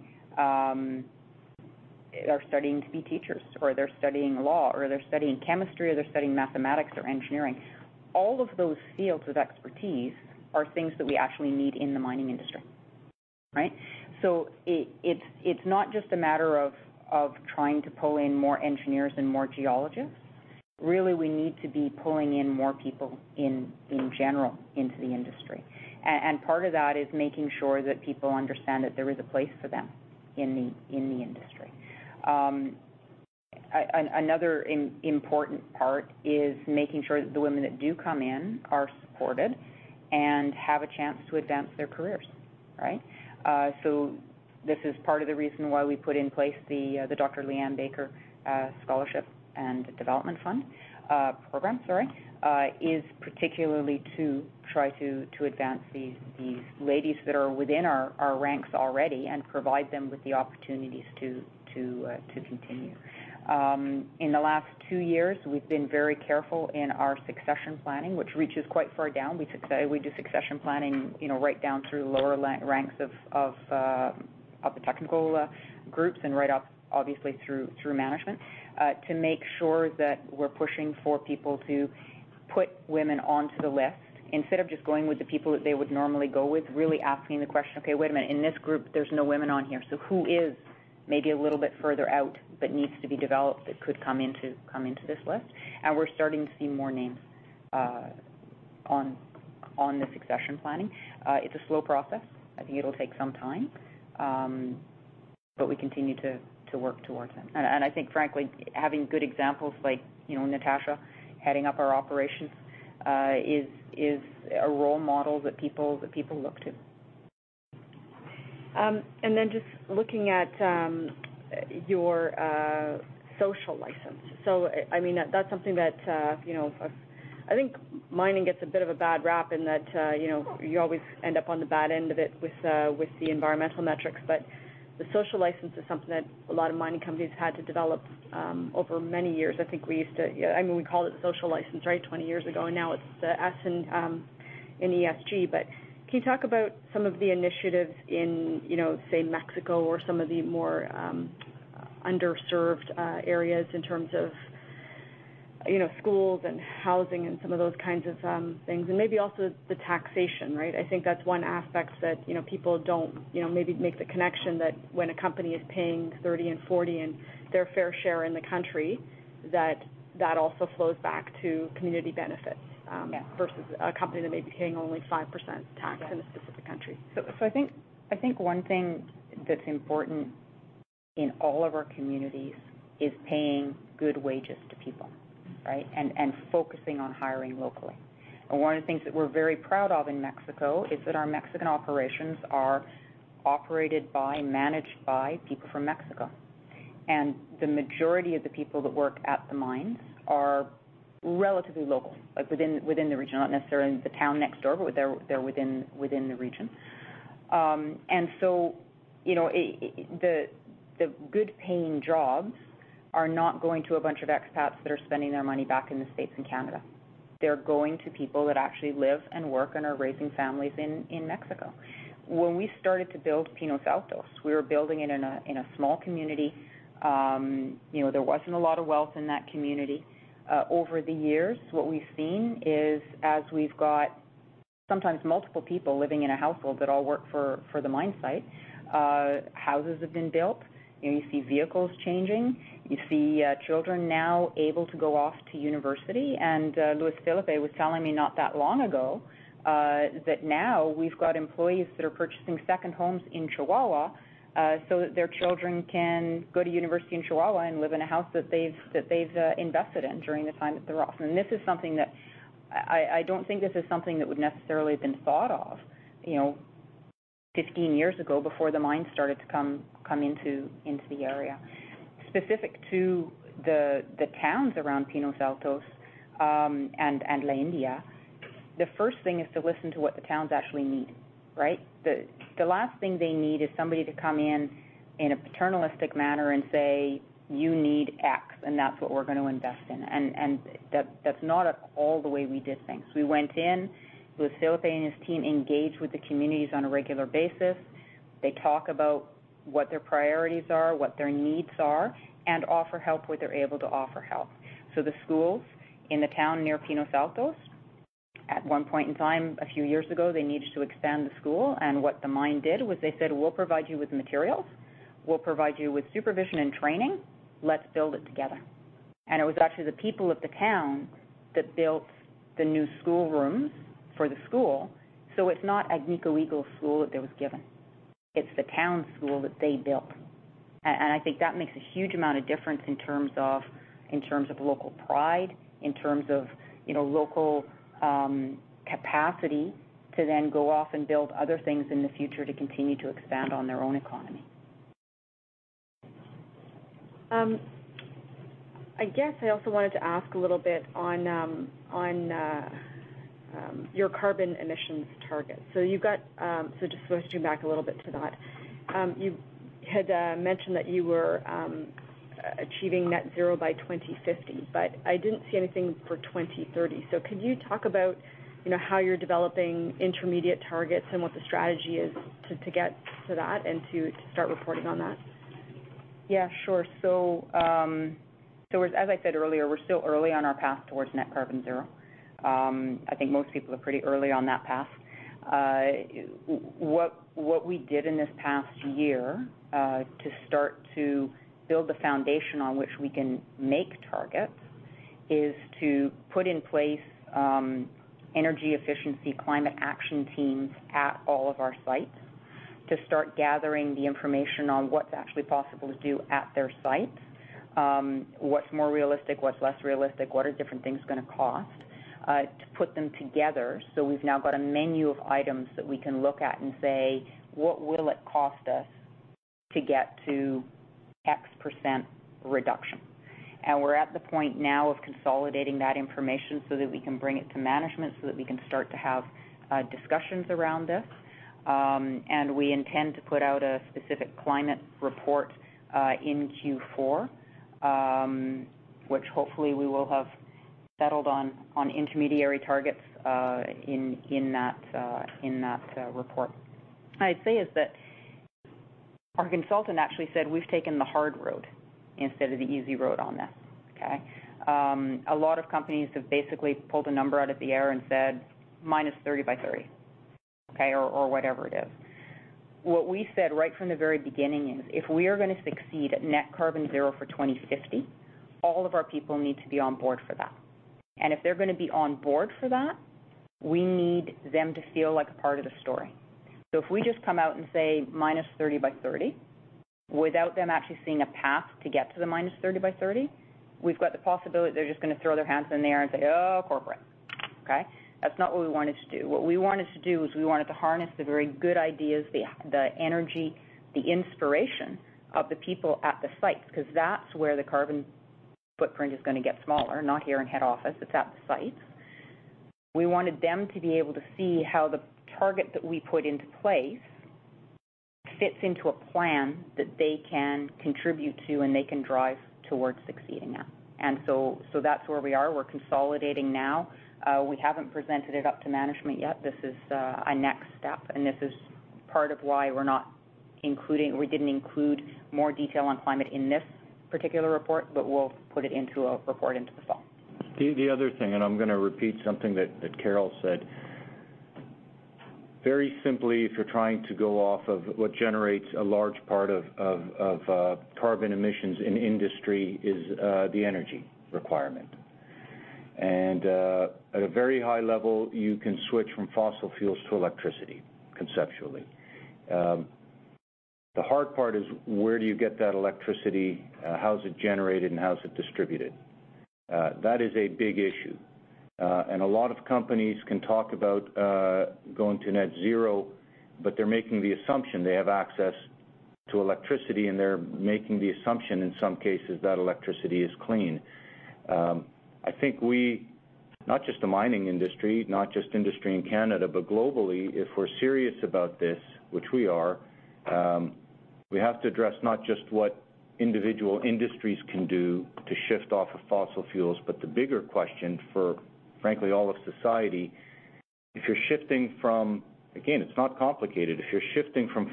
to be teachers, or they're studying law, or they're studying chemistry, or they're studying mathematics or engineering, all of those fields of expertise are things that we actually need in the mining industry, right? It's not just a matter of trying to pull in more engineers and more geologists. Really, we need to be pulling in more people in general into the industry. Part of that is making sure that people understand that there is a place for them in the industry. Another important part is making sure that the women that do come in are supported and have a chance to advance their careers, right? This is part of the reason why we put in place the Dr. Leanne Baker Scholarship and Development Program, is particularly to try to advance these ladies that are within our ranks already and provide them with the opportunities to continue. In the last two years, we've been very careful in our succession planning, which reaches quite far down. We do succession planning, you know, right down through the lower ranks of the technical groups and right up, obviously through management, to make sure that we're pushing for people to put women onto the list instead of just going with the people that they would normally go with, really asking the question, "Okay, wait a minute. In this group, there's no women on here, so who is maybe a little bit further out but needs to be developed that could come into this list?" We're starting to see more names on the succession planning. It's a slow process. I think it'll take some time. We continue to work towards that. I think frankly, having good examples like, you know, Natasha heading up our operations, is a role model that the people look to. Just looking at your social license. I mean, that's something that you know I think mining gets a bit of a bad rap in that you know you always end up on the bad end of it with the environmental metrics. The social license is something that a lot of mining companies had to develop over many years. I think we used to you know I mean we called it social license right 20 years ago and now it's the S in ESG. Can you talk about some of the initiatives in you know say Mexico or some of the more underserved areas in terms of you know schools and housing and some of those kinds of things? Maybe also the taxation right? I think that's one aspect that, you know, people don't, you know, maybe make the connection that when a company is paying 30% and 40% and their fair share in the country, that also flows back to community benefits. Yeah. versus a company that may be paying only 5% tax. Yeah. in a specific country. I think one thing that's important in all of our communities is paying good wages to people, right, and focusing on hiring locally. One of the things that we're very proud of in Mexico is that our Mexican operations are operated by and managed by people from Mexico. The majority of the people that work at the mines are relatively local, like within the region, not necessarily the town next door, but they're within the region. You know, the good paying jobs are not going to a bunch of expats that are spending their money back in the States and Canada. They're going to people that actually live and work and are raising families in Mexico. When we started to build Pinos Altos, we were building it in a small community. You know, there wasn't a lot of wealth in that community. Over the years, what we've seen is as we've got sometimes multiple people living in a household that all work for the mine site, houses have been built. You know, you see vehicles changing. You see children now able to go off to university. Luis Felipe was telling me not that long ago, that now we've got employees that are purchasing second homes in Chihuahua, so that their children can go to university in Chihuahua and live in a house that they've invested in during the time that they're off. This is something that I don't think would necessarily have been thought of, you know, 15 years ago before the mines started to come into the area. Specific to the towns around Pinos Altos and La India, the first thing is to listen to what the towns actually need, right? The last thing they need is somebody to come in in a paternalistic manner and say, "You need X, and that's what we're gonna invest in." That's not at all the way we did things. We went in with Felipe and his team, engaged with the communities on a regular basis. They talk about what their priorities are, what their needs are, and offer help where they're able to offer help. The schools in the town near Pinos Altos, at one point in time a few years ago, they needed to expand the school, and what the mine did was they said, "We'll provide you with materials. We'll provide you with supervision and training. Let's build it together." It was actually the people of the town that built the new school rooms for the school, so it's not Agnico Eagle school that was given. It's the town school that they built. I think that makes a huge amount of difference in terms of, in terms of local pride, in terms of, you know, local capacity to then go off and build other things in the future to continue to expand on their own economy. I guess I also wanted to ask a little bit on your carbon emissions target. Just switching back a little bit to that. You had mentioned that you were achieving Net Zero by 2050, but I didn't see anything for 2030. Could you talk about, you know, how you're developing intermediate targets and what the strategy is to get to that and to start reporting on that? Yeah, sure. As I said earlier, we're still early on our path towards net zero carbon. I think most people are pretty early on that path. What we did in this past year to start to build the foundation on which we can make targets is to put in place energy efficiency climate action teams at all of our sites to start gathering the information on what's actually possible to do at their sites, what's more realistic, what's less realistic, what are different things gonna cost to put them together. We've now got a menu of items that we can look at and say, "What will it cost us to get to X% reduction?" We're at the point now of consolidating that information so that we can bring it to management, so that we can start to have discussions around this. We intend to put out a specific climate report in Q4, which hopefully we will have settled on interim targets in that report. What I'd say is that our consultant actually said we've taken the hard road instead of the easy road on this, okay? A lot of companies have basically pulled a number out of the air and said, "-30 by 2030," okay? Or whatever it is. What we said right from the very beginning is, if we are gonna succeed at Net Zero by 2050, all of our people need to be on board for that. If they're gonna be on board for that, we need them to feel like a part of the story. If we just come out and say, "Minus 30 by 30," without them actually seeing a path to get to the minus 30 by 30, we've got the possibility they're just gonna throw their hands in the air and say, "Oh, corporate." Okay? That's not what we wanted to do. What we wanted to do was we wanted to harness the very good ideas, the energy, the inspiration of the people at the sites, because that's where the carbon footprint is gonna get smaller. Not here in head office. It's at the sites. We wanted them to be able to see how the target that we put into place fits into a plan that they can contribute to and they can drive towards succeeding at. That's where we are. We're consolidating now. We haven't presented it up to management yet. This is a next step, and this is part of why we didn't include more detail on climate in this particular report, but we'll put it into a report in the fall. The other thing, and I'm gonna repeat something that Carol said. Very simply, if you're trying to go off of what generates a large part of carbon emissions in industry is the energy requirement. At a very high level, you can switch from fossil fuels to electricity, conceptually. The hard part is where do you get that electricity? How is it generated, and how is it distributed? That is a big issue. A lot of companies can talk about going to net zero, but they're making the assumption they have access to electricity, and they're making the assumption, in some cases, that electricity is clean. I think we, not just the mining industry, not just industry in Canada, but globally, if we're serious about this, which we are, we have to address not just what individual industries can do to shift off of fossil fuels, but the bigger question for, frankly, all of society, if you're shifting from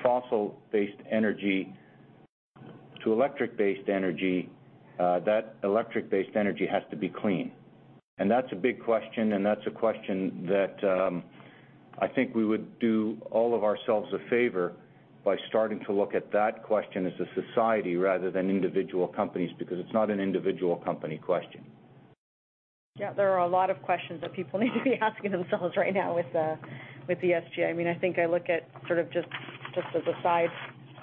fossil-based energy to electric-based energy, that electric-based energy has to be clean. Again, it's not complicated. That's a big question, and that's a question that I think we would do all of ourselves a favor by starting to look at that question as a society rather than individual companies, because it's not an individual company question. Yeah, there are a lot of questions that people need to be asking themselves right now with ESG. I mean, I think I look at sort of just as a side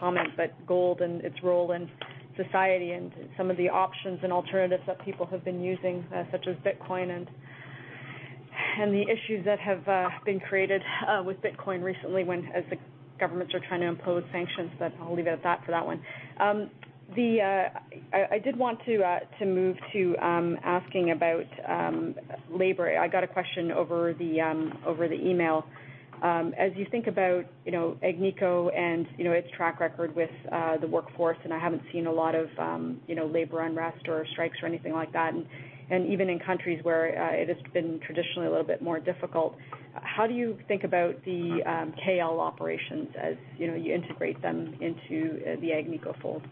comment, but gold and its role in society and some of the options and alternatives that people have been using, such as Bitcoin and the issues that have been created with Bitcoin recently as the governments are trying to impose sanctions. I'll leave it at that for that one. I did want to move to asking about labor. I got a question over the email. As you think about, you know, Agnico and, you know, its track record with the workforce, and I haven't seen a lot of, you know, labor unrest or strikes or anything like that. Even in countries where it has been traditionally a little bit more difficult, how do you think about the KL operations as, you know, you integrate them into the Agnico fold?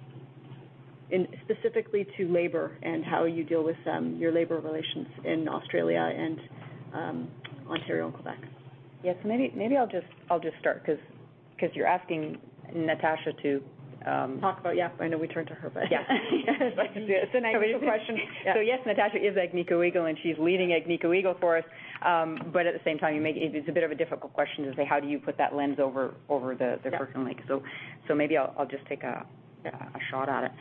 Specifically to labor and how you deal with your labor relations in Australia and Ontario and Quebec. Yes. Maybe I'll just start 'cause you're asking Natasha to, Talk about, yeah. I know we turn to her, but. Yeah. It's an Agnico question. Yes, Natasha is Agnico Eagle, and she's leading Agnico Eagle for us. At the same time, it's a bit of a difficult question to say, how do you put that lens over the Kirkland Lake? Yeah. Maybe I'll just take a shot at it.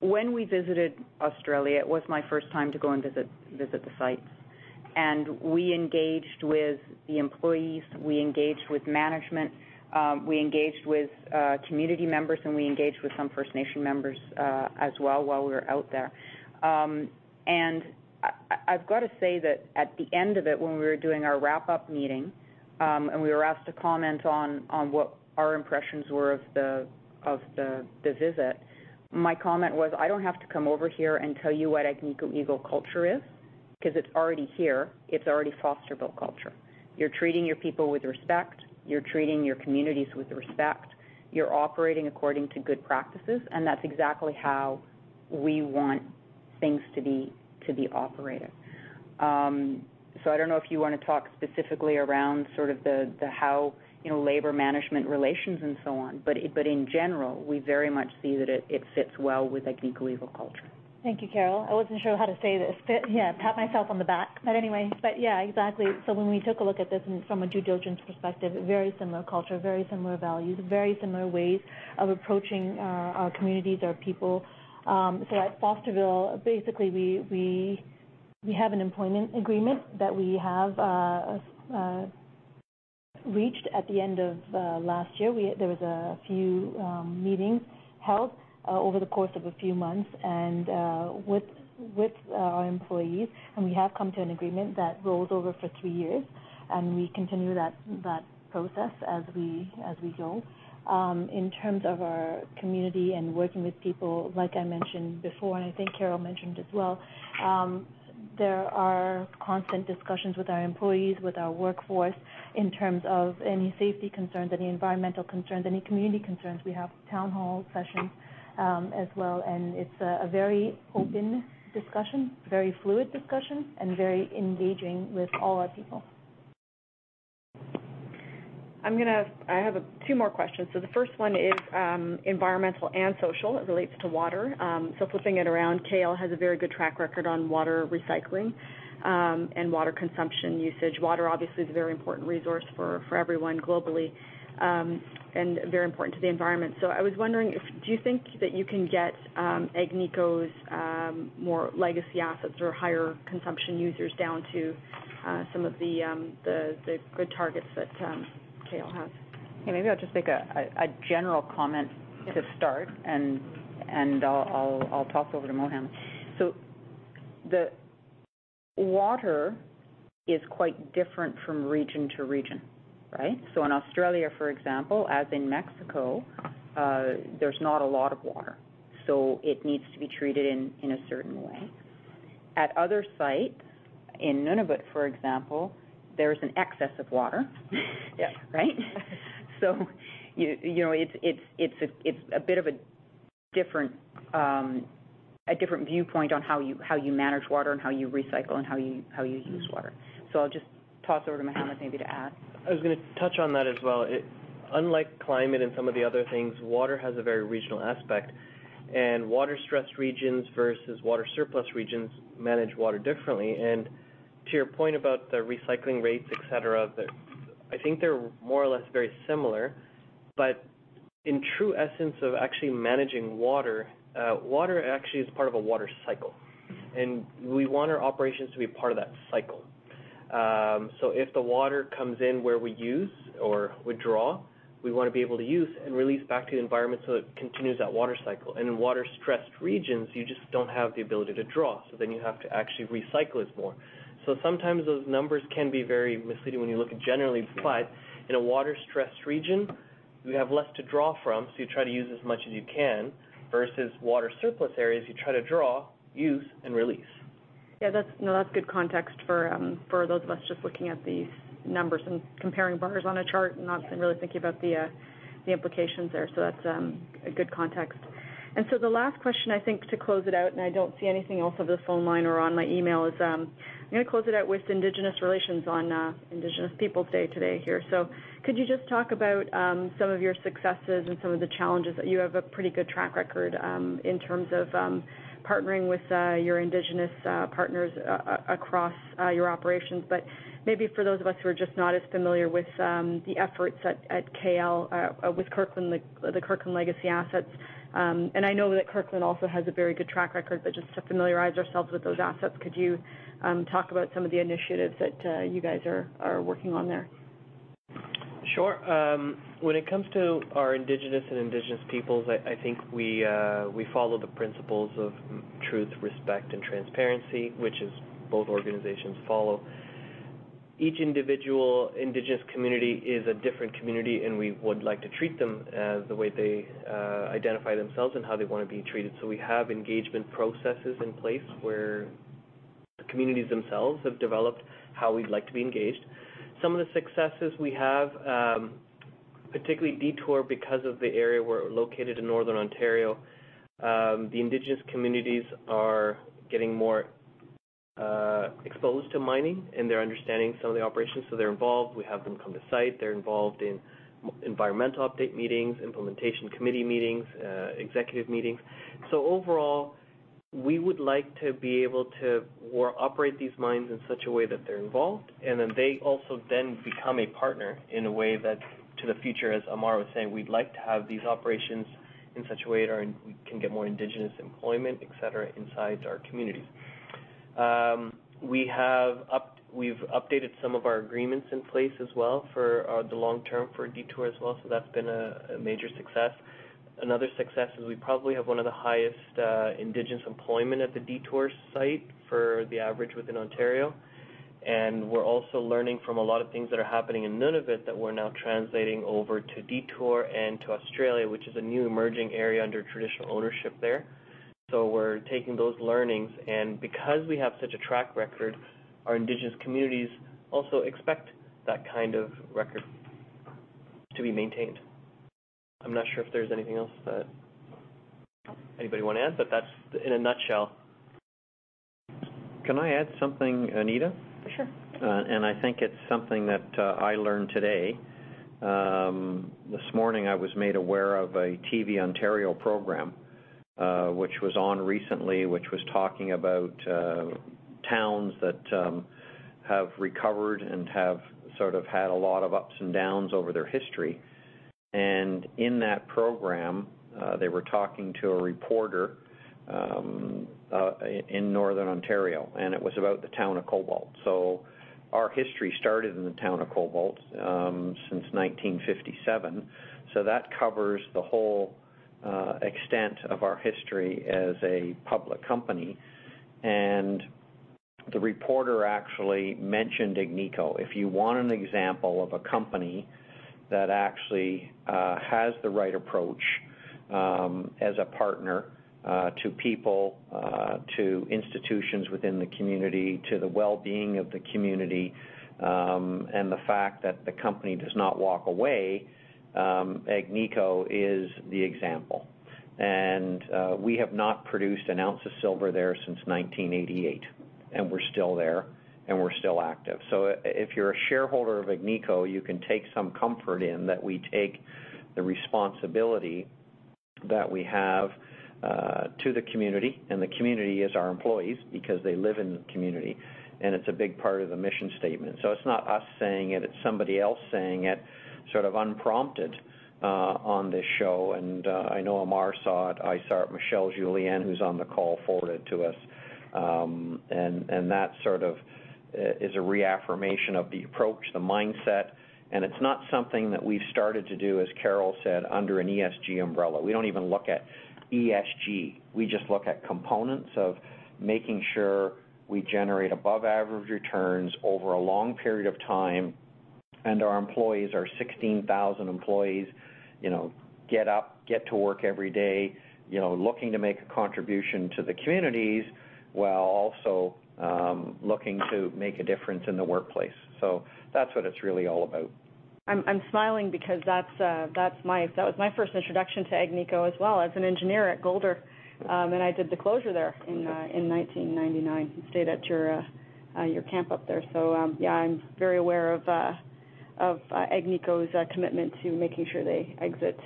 When we visited Australia, it was my first time to go and visit the sites. We engaged with the employees, we engaged with management, we engaged with community members, and we engaged with some First Nation members as well while we were out there. I've gotta say that at the end of it, when we were doing our wrap-up meeting, and we were asked to comment on what our impressions were of the visit, my comment was, "I don't have to come over here and tell you what Agnico Eagle culture is, 'cause it's already here. It's already Fosterville culture. You're treating your people with respect. You're treating your communities with respect. You're operating according to good practices, and that's exactly how we want things to be operated. I don't know if you wanna talk specifically around sort of the how, you know, labor management relations and so on, but in general, we very much see that it fits well with Agnico Eagle culture. Thank you, Carol. I wasn't sure how to say this. Fit, yeah, pat myself on the back. Anyway. Yeah, exactly. When we took a look at this from a due diligence perspective, very similar culture, very similar values, very similar ways of approaching our communities, our people. At Fosterville, basically wehave an employment agreement that we have reached at the end of last year. There was a few meetings held over the course of a few months and with our employees, and we have come to an agreement that rolls over for three years, and we continue that process as we go. In terms of our community and working with people, like I mentioned before, and I think Carol mentioned as well, there are constant discussions with our employees, with our workforce in terms of any safety concerns, any environmental concerns, any community concerns. We have town hall sessions, as well, and it's a very open discussion, very fluid discussion, and very engaging with all our people. I have two more questions. The first one is environmental and social. It relates to water. Flipping it around, KL has a very good track record on water recycling and water consumption usage. Water obviously is a very important resource for everyone globally and very important to the environment. I was wondering if you think that you can get Agnico's more legacy assets or higher consumption users down to some of the good targets that KL has? Yeah, maybe I'll just make a general comment. Yeah to start, and I'll toss over to Mohammed Ali. The water is quite different from region to region, right? In Australia, for example, as in Mexico, there's not a lot of water, so it needs to be treated in a certain way. At other sites, in Nunavut, for example, there's an excess of water. Yeah. Right? You know, it's a bit of a different viewpoint on how you manage water and how you recycle and how you use water. I'll just toss over to Mohammed maybe to add. I was gonna touch on that as well. It unlike climate and some of the other things, water has a very regional aspect, and water-stressed regions versus water surplus regions manage water differently. To your point about the recycling rates, et cetera, I think they're more or less very similar. In true essence of actually managing water actually is part of a water cycle, and we want our operations to be part of that cycle. If the water comes in where we use or withdraw, we wanna be able to use and release back to the environment so it continues that water cycle. In water-stressed regions, you just don't have the ability to draw, so then you have to actually recycle it more. Sometimes those numbers can be very misleading when you look at it generally, but in a water-stressed region, we have less to draw from, so you try to use as much as you can versus water surplus areas, you try to draw, use, and release. Yeah, that's, no, that's good context for those of us just looking at these numbers and comparing bars on a chart and not really thinking about the implications there. That's a good context. The last question I think to close it out, and I don't see anything else on this phone line or on my email, is I'm gonna close it out with Indigenous relations on Indigenous Peoples Day today here. Could you just talk about some of your successes and some of the challenges? You have a pretty good track record in terms of partnering with your Indigenous partners across your operations. Maybe for those of us who are just not as familiar with the efforts at KL with Kirkland, the Kirkland legacy assets, and I know that Kirkland also has a very good track record, but just to familiarize ourselves with those assets, could you talk about some of the initiatives that you guys are working on there? Sure. When it comes to our Indigenous and Indigenous peoples, I think we follow the principles of truth, respect, and transparency, which is both organizations follow. Each individual Indigenous community is a different community, and we would like to treat them as the way they identify themselves and how they wanna be treated. We have engagement processes in place where the communities themselves have developed how we'd like to be engaged. Some of the successes we have, particularly Detour because of the area we're located in Northern Ontario, the Indigenous communities are getting more exposed to mining, and they're understanding some of the operations, so they're involved. We have them come to site. They're involved in environmental update meetings, implementation committee meetings, executive meetings. Overall, we would like to be able to operate these mines in such a way that they're involved, and then they also then become a partner in a way that to the future, as Ammar was saying, we'd like to have these operations in such a way we can get more Indigenous employment, et cetera, inside our communities. We've updated some of our agreements in place as well for the long term for Detour as well, so that's been a major success. Another success is we probably have one of the highest Indigenous employment at the Detour site for the average within Ontario. We're also learning from a lot of things that are happening in Nunavut that we're now translating over to Detour and to Australia, which is a new emerging area under traditional ownership there. We're taking those learnings, and because we have such a track record, our Indigenous communities also expect that kind of record to be maintained. I'm not sure if there's anything else that anybody wanna add, but that's in a nutshell. Can I add something, Anita? Sure. I think it's something that I learned today. This morning I was made aware of a TV Ontario program, which was on recently, which was talking about towns that have recovered and have sort of had a lot of ups and downs over their history. In that program, they were talking to a reporter in Northern Ontario, and it was about the town of Cobalt. Our history started in the town of Cobalt since 1957, so that covers the whole extent of our history as a public company. The reporter actually mentioned Agnico. If you want an example of a company that actually has the right approach as a partner to people to institutions within the community to the well-being of the community and the fact that the company does not walk away Agnico is the example. We have not produced an ounce of silver there since 1988 and we're still there and we're still active. If you're a shareholder of Agnico you can take some comfort in that we take the responsibility that we have to the community and the community is our employees because they live in the community and it's a big part of the mission statement. It's not us saying it it's somebody else saying it sort of unprompted on this show. I know Ammar saw it, I saw it, Michel Julien, who's on the call, forwarded to us. That sort of is a reaffirmation of the approach, the mindset, and it's not something that we've started to do, as Carol said, under an ESG umbrella. We don't even look at ESG. We just look at components of making sure we generate above average returns over a long period of time, and our employees, our 16,000 employees, you know, get up, get to work every day, you know, looking to make a contribution to the communities, while also looking to make a difference in the workplace. That's what it's really all about. I'm smiling because that was my first introduction to Agnico as well as an engineer at Golder, and I did the closure there in 1999, stayed at your camp up there. Yeah, I'm very aware of Agnico's commitment to making sure they exit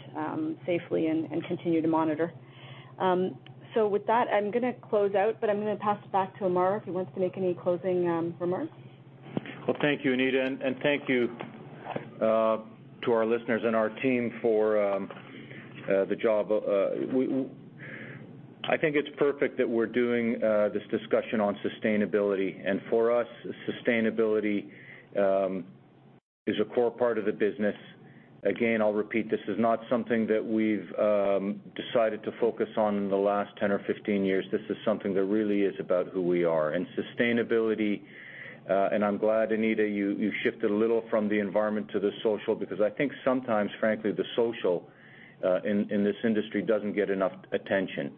safely and continue to monitor. With that, I'm gonna close out, but I'm gonna pass it back to Ammar if he wants to make any closing remarks. Well, thank you, Anita, and thank you to our listeners and our team for the job. I think it's perfect that we're doing this discussion on sustainability. For us, sustainability is a core part of the business. Again, I'll repeat, this is not something that we've decided to focus on in the last 10 or 15 years. This is something that really is about who we are. Sustainability, and I'm glad, Anita, you shifted a little from the environment to the social, because I think sometimes, frankly, the social in this industry doesn't get enough attention.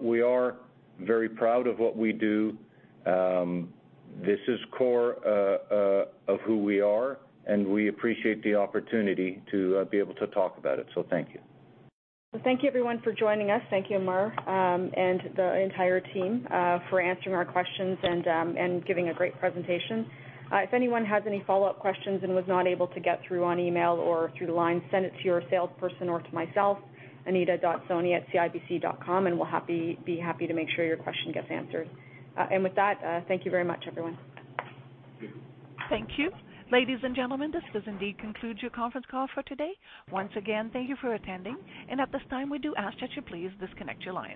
We are very proud of what we do. This is core of who we are, and we appreciate the opportunity to be able to talk about it. Thank you. Well, thank you everyone for joining us. Thank you, Ammar, and the entire team for answering our questions and giving a great presentation. If anyone has any follow-up questions and was not able to get through on email or through the line, send it to your salesperson or to myself, anita.soni@cibc.com, and we'll be happy to make sure your question gets answered. With that, thank you very much, everyone. Thank you. Ladies and gentlemen, this does indeed conclude your conference call for today. Once again, thank you for attending. At this time, we do ask that you please disconnect your lines.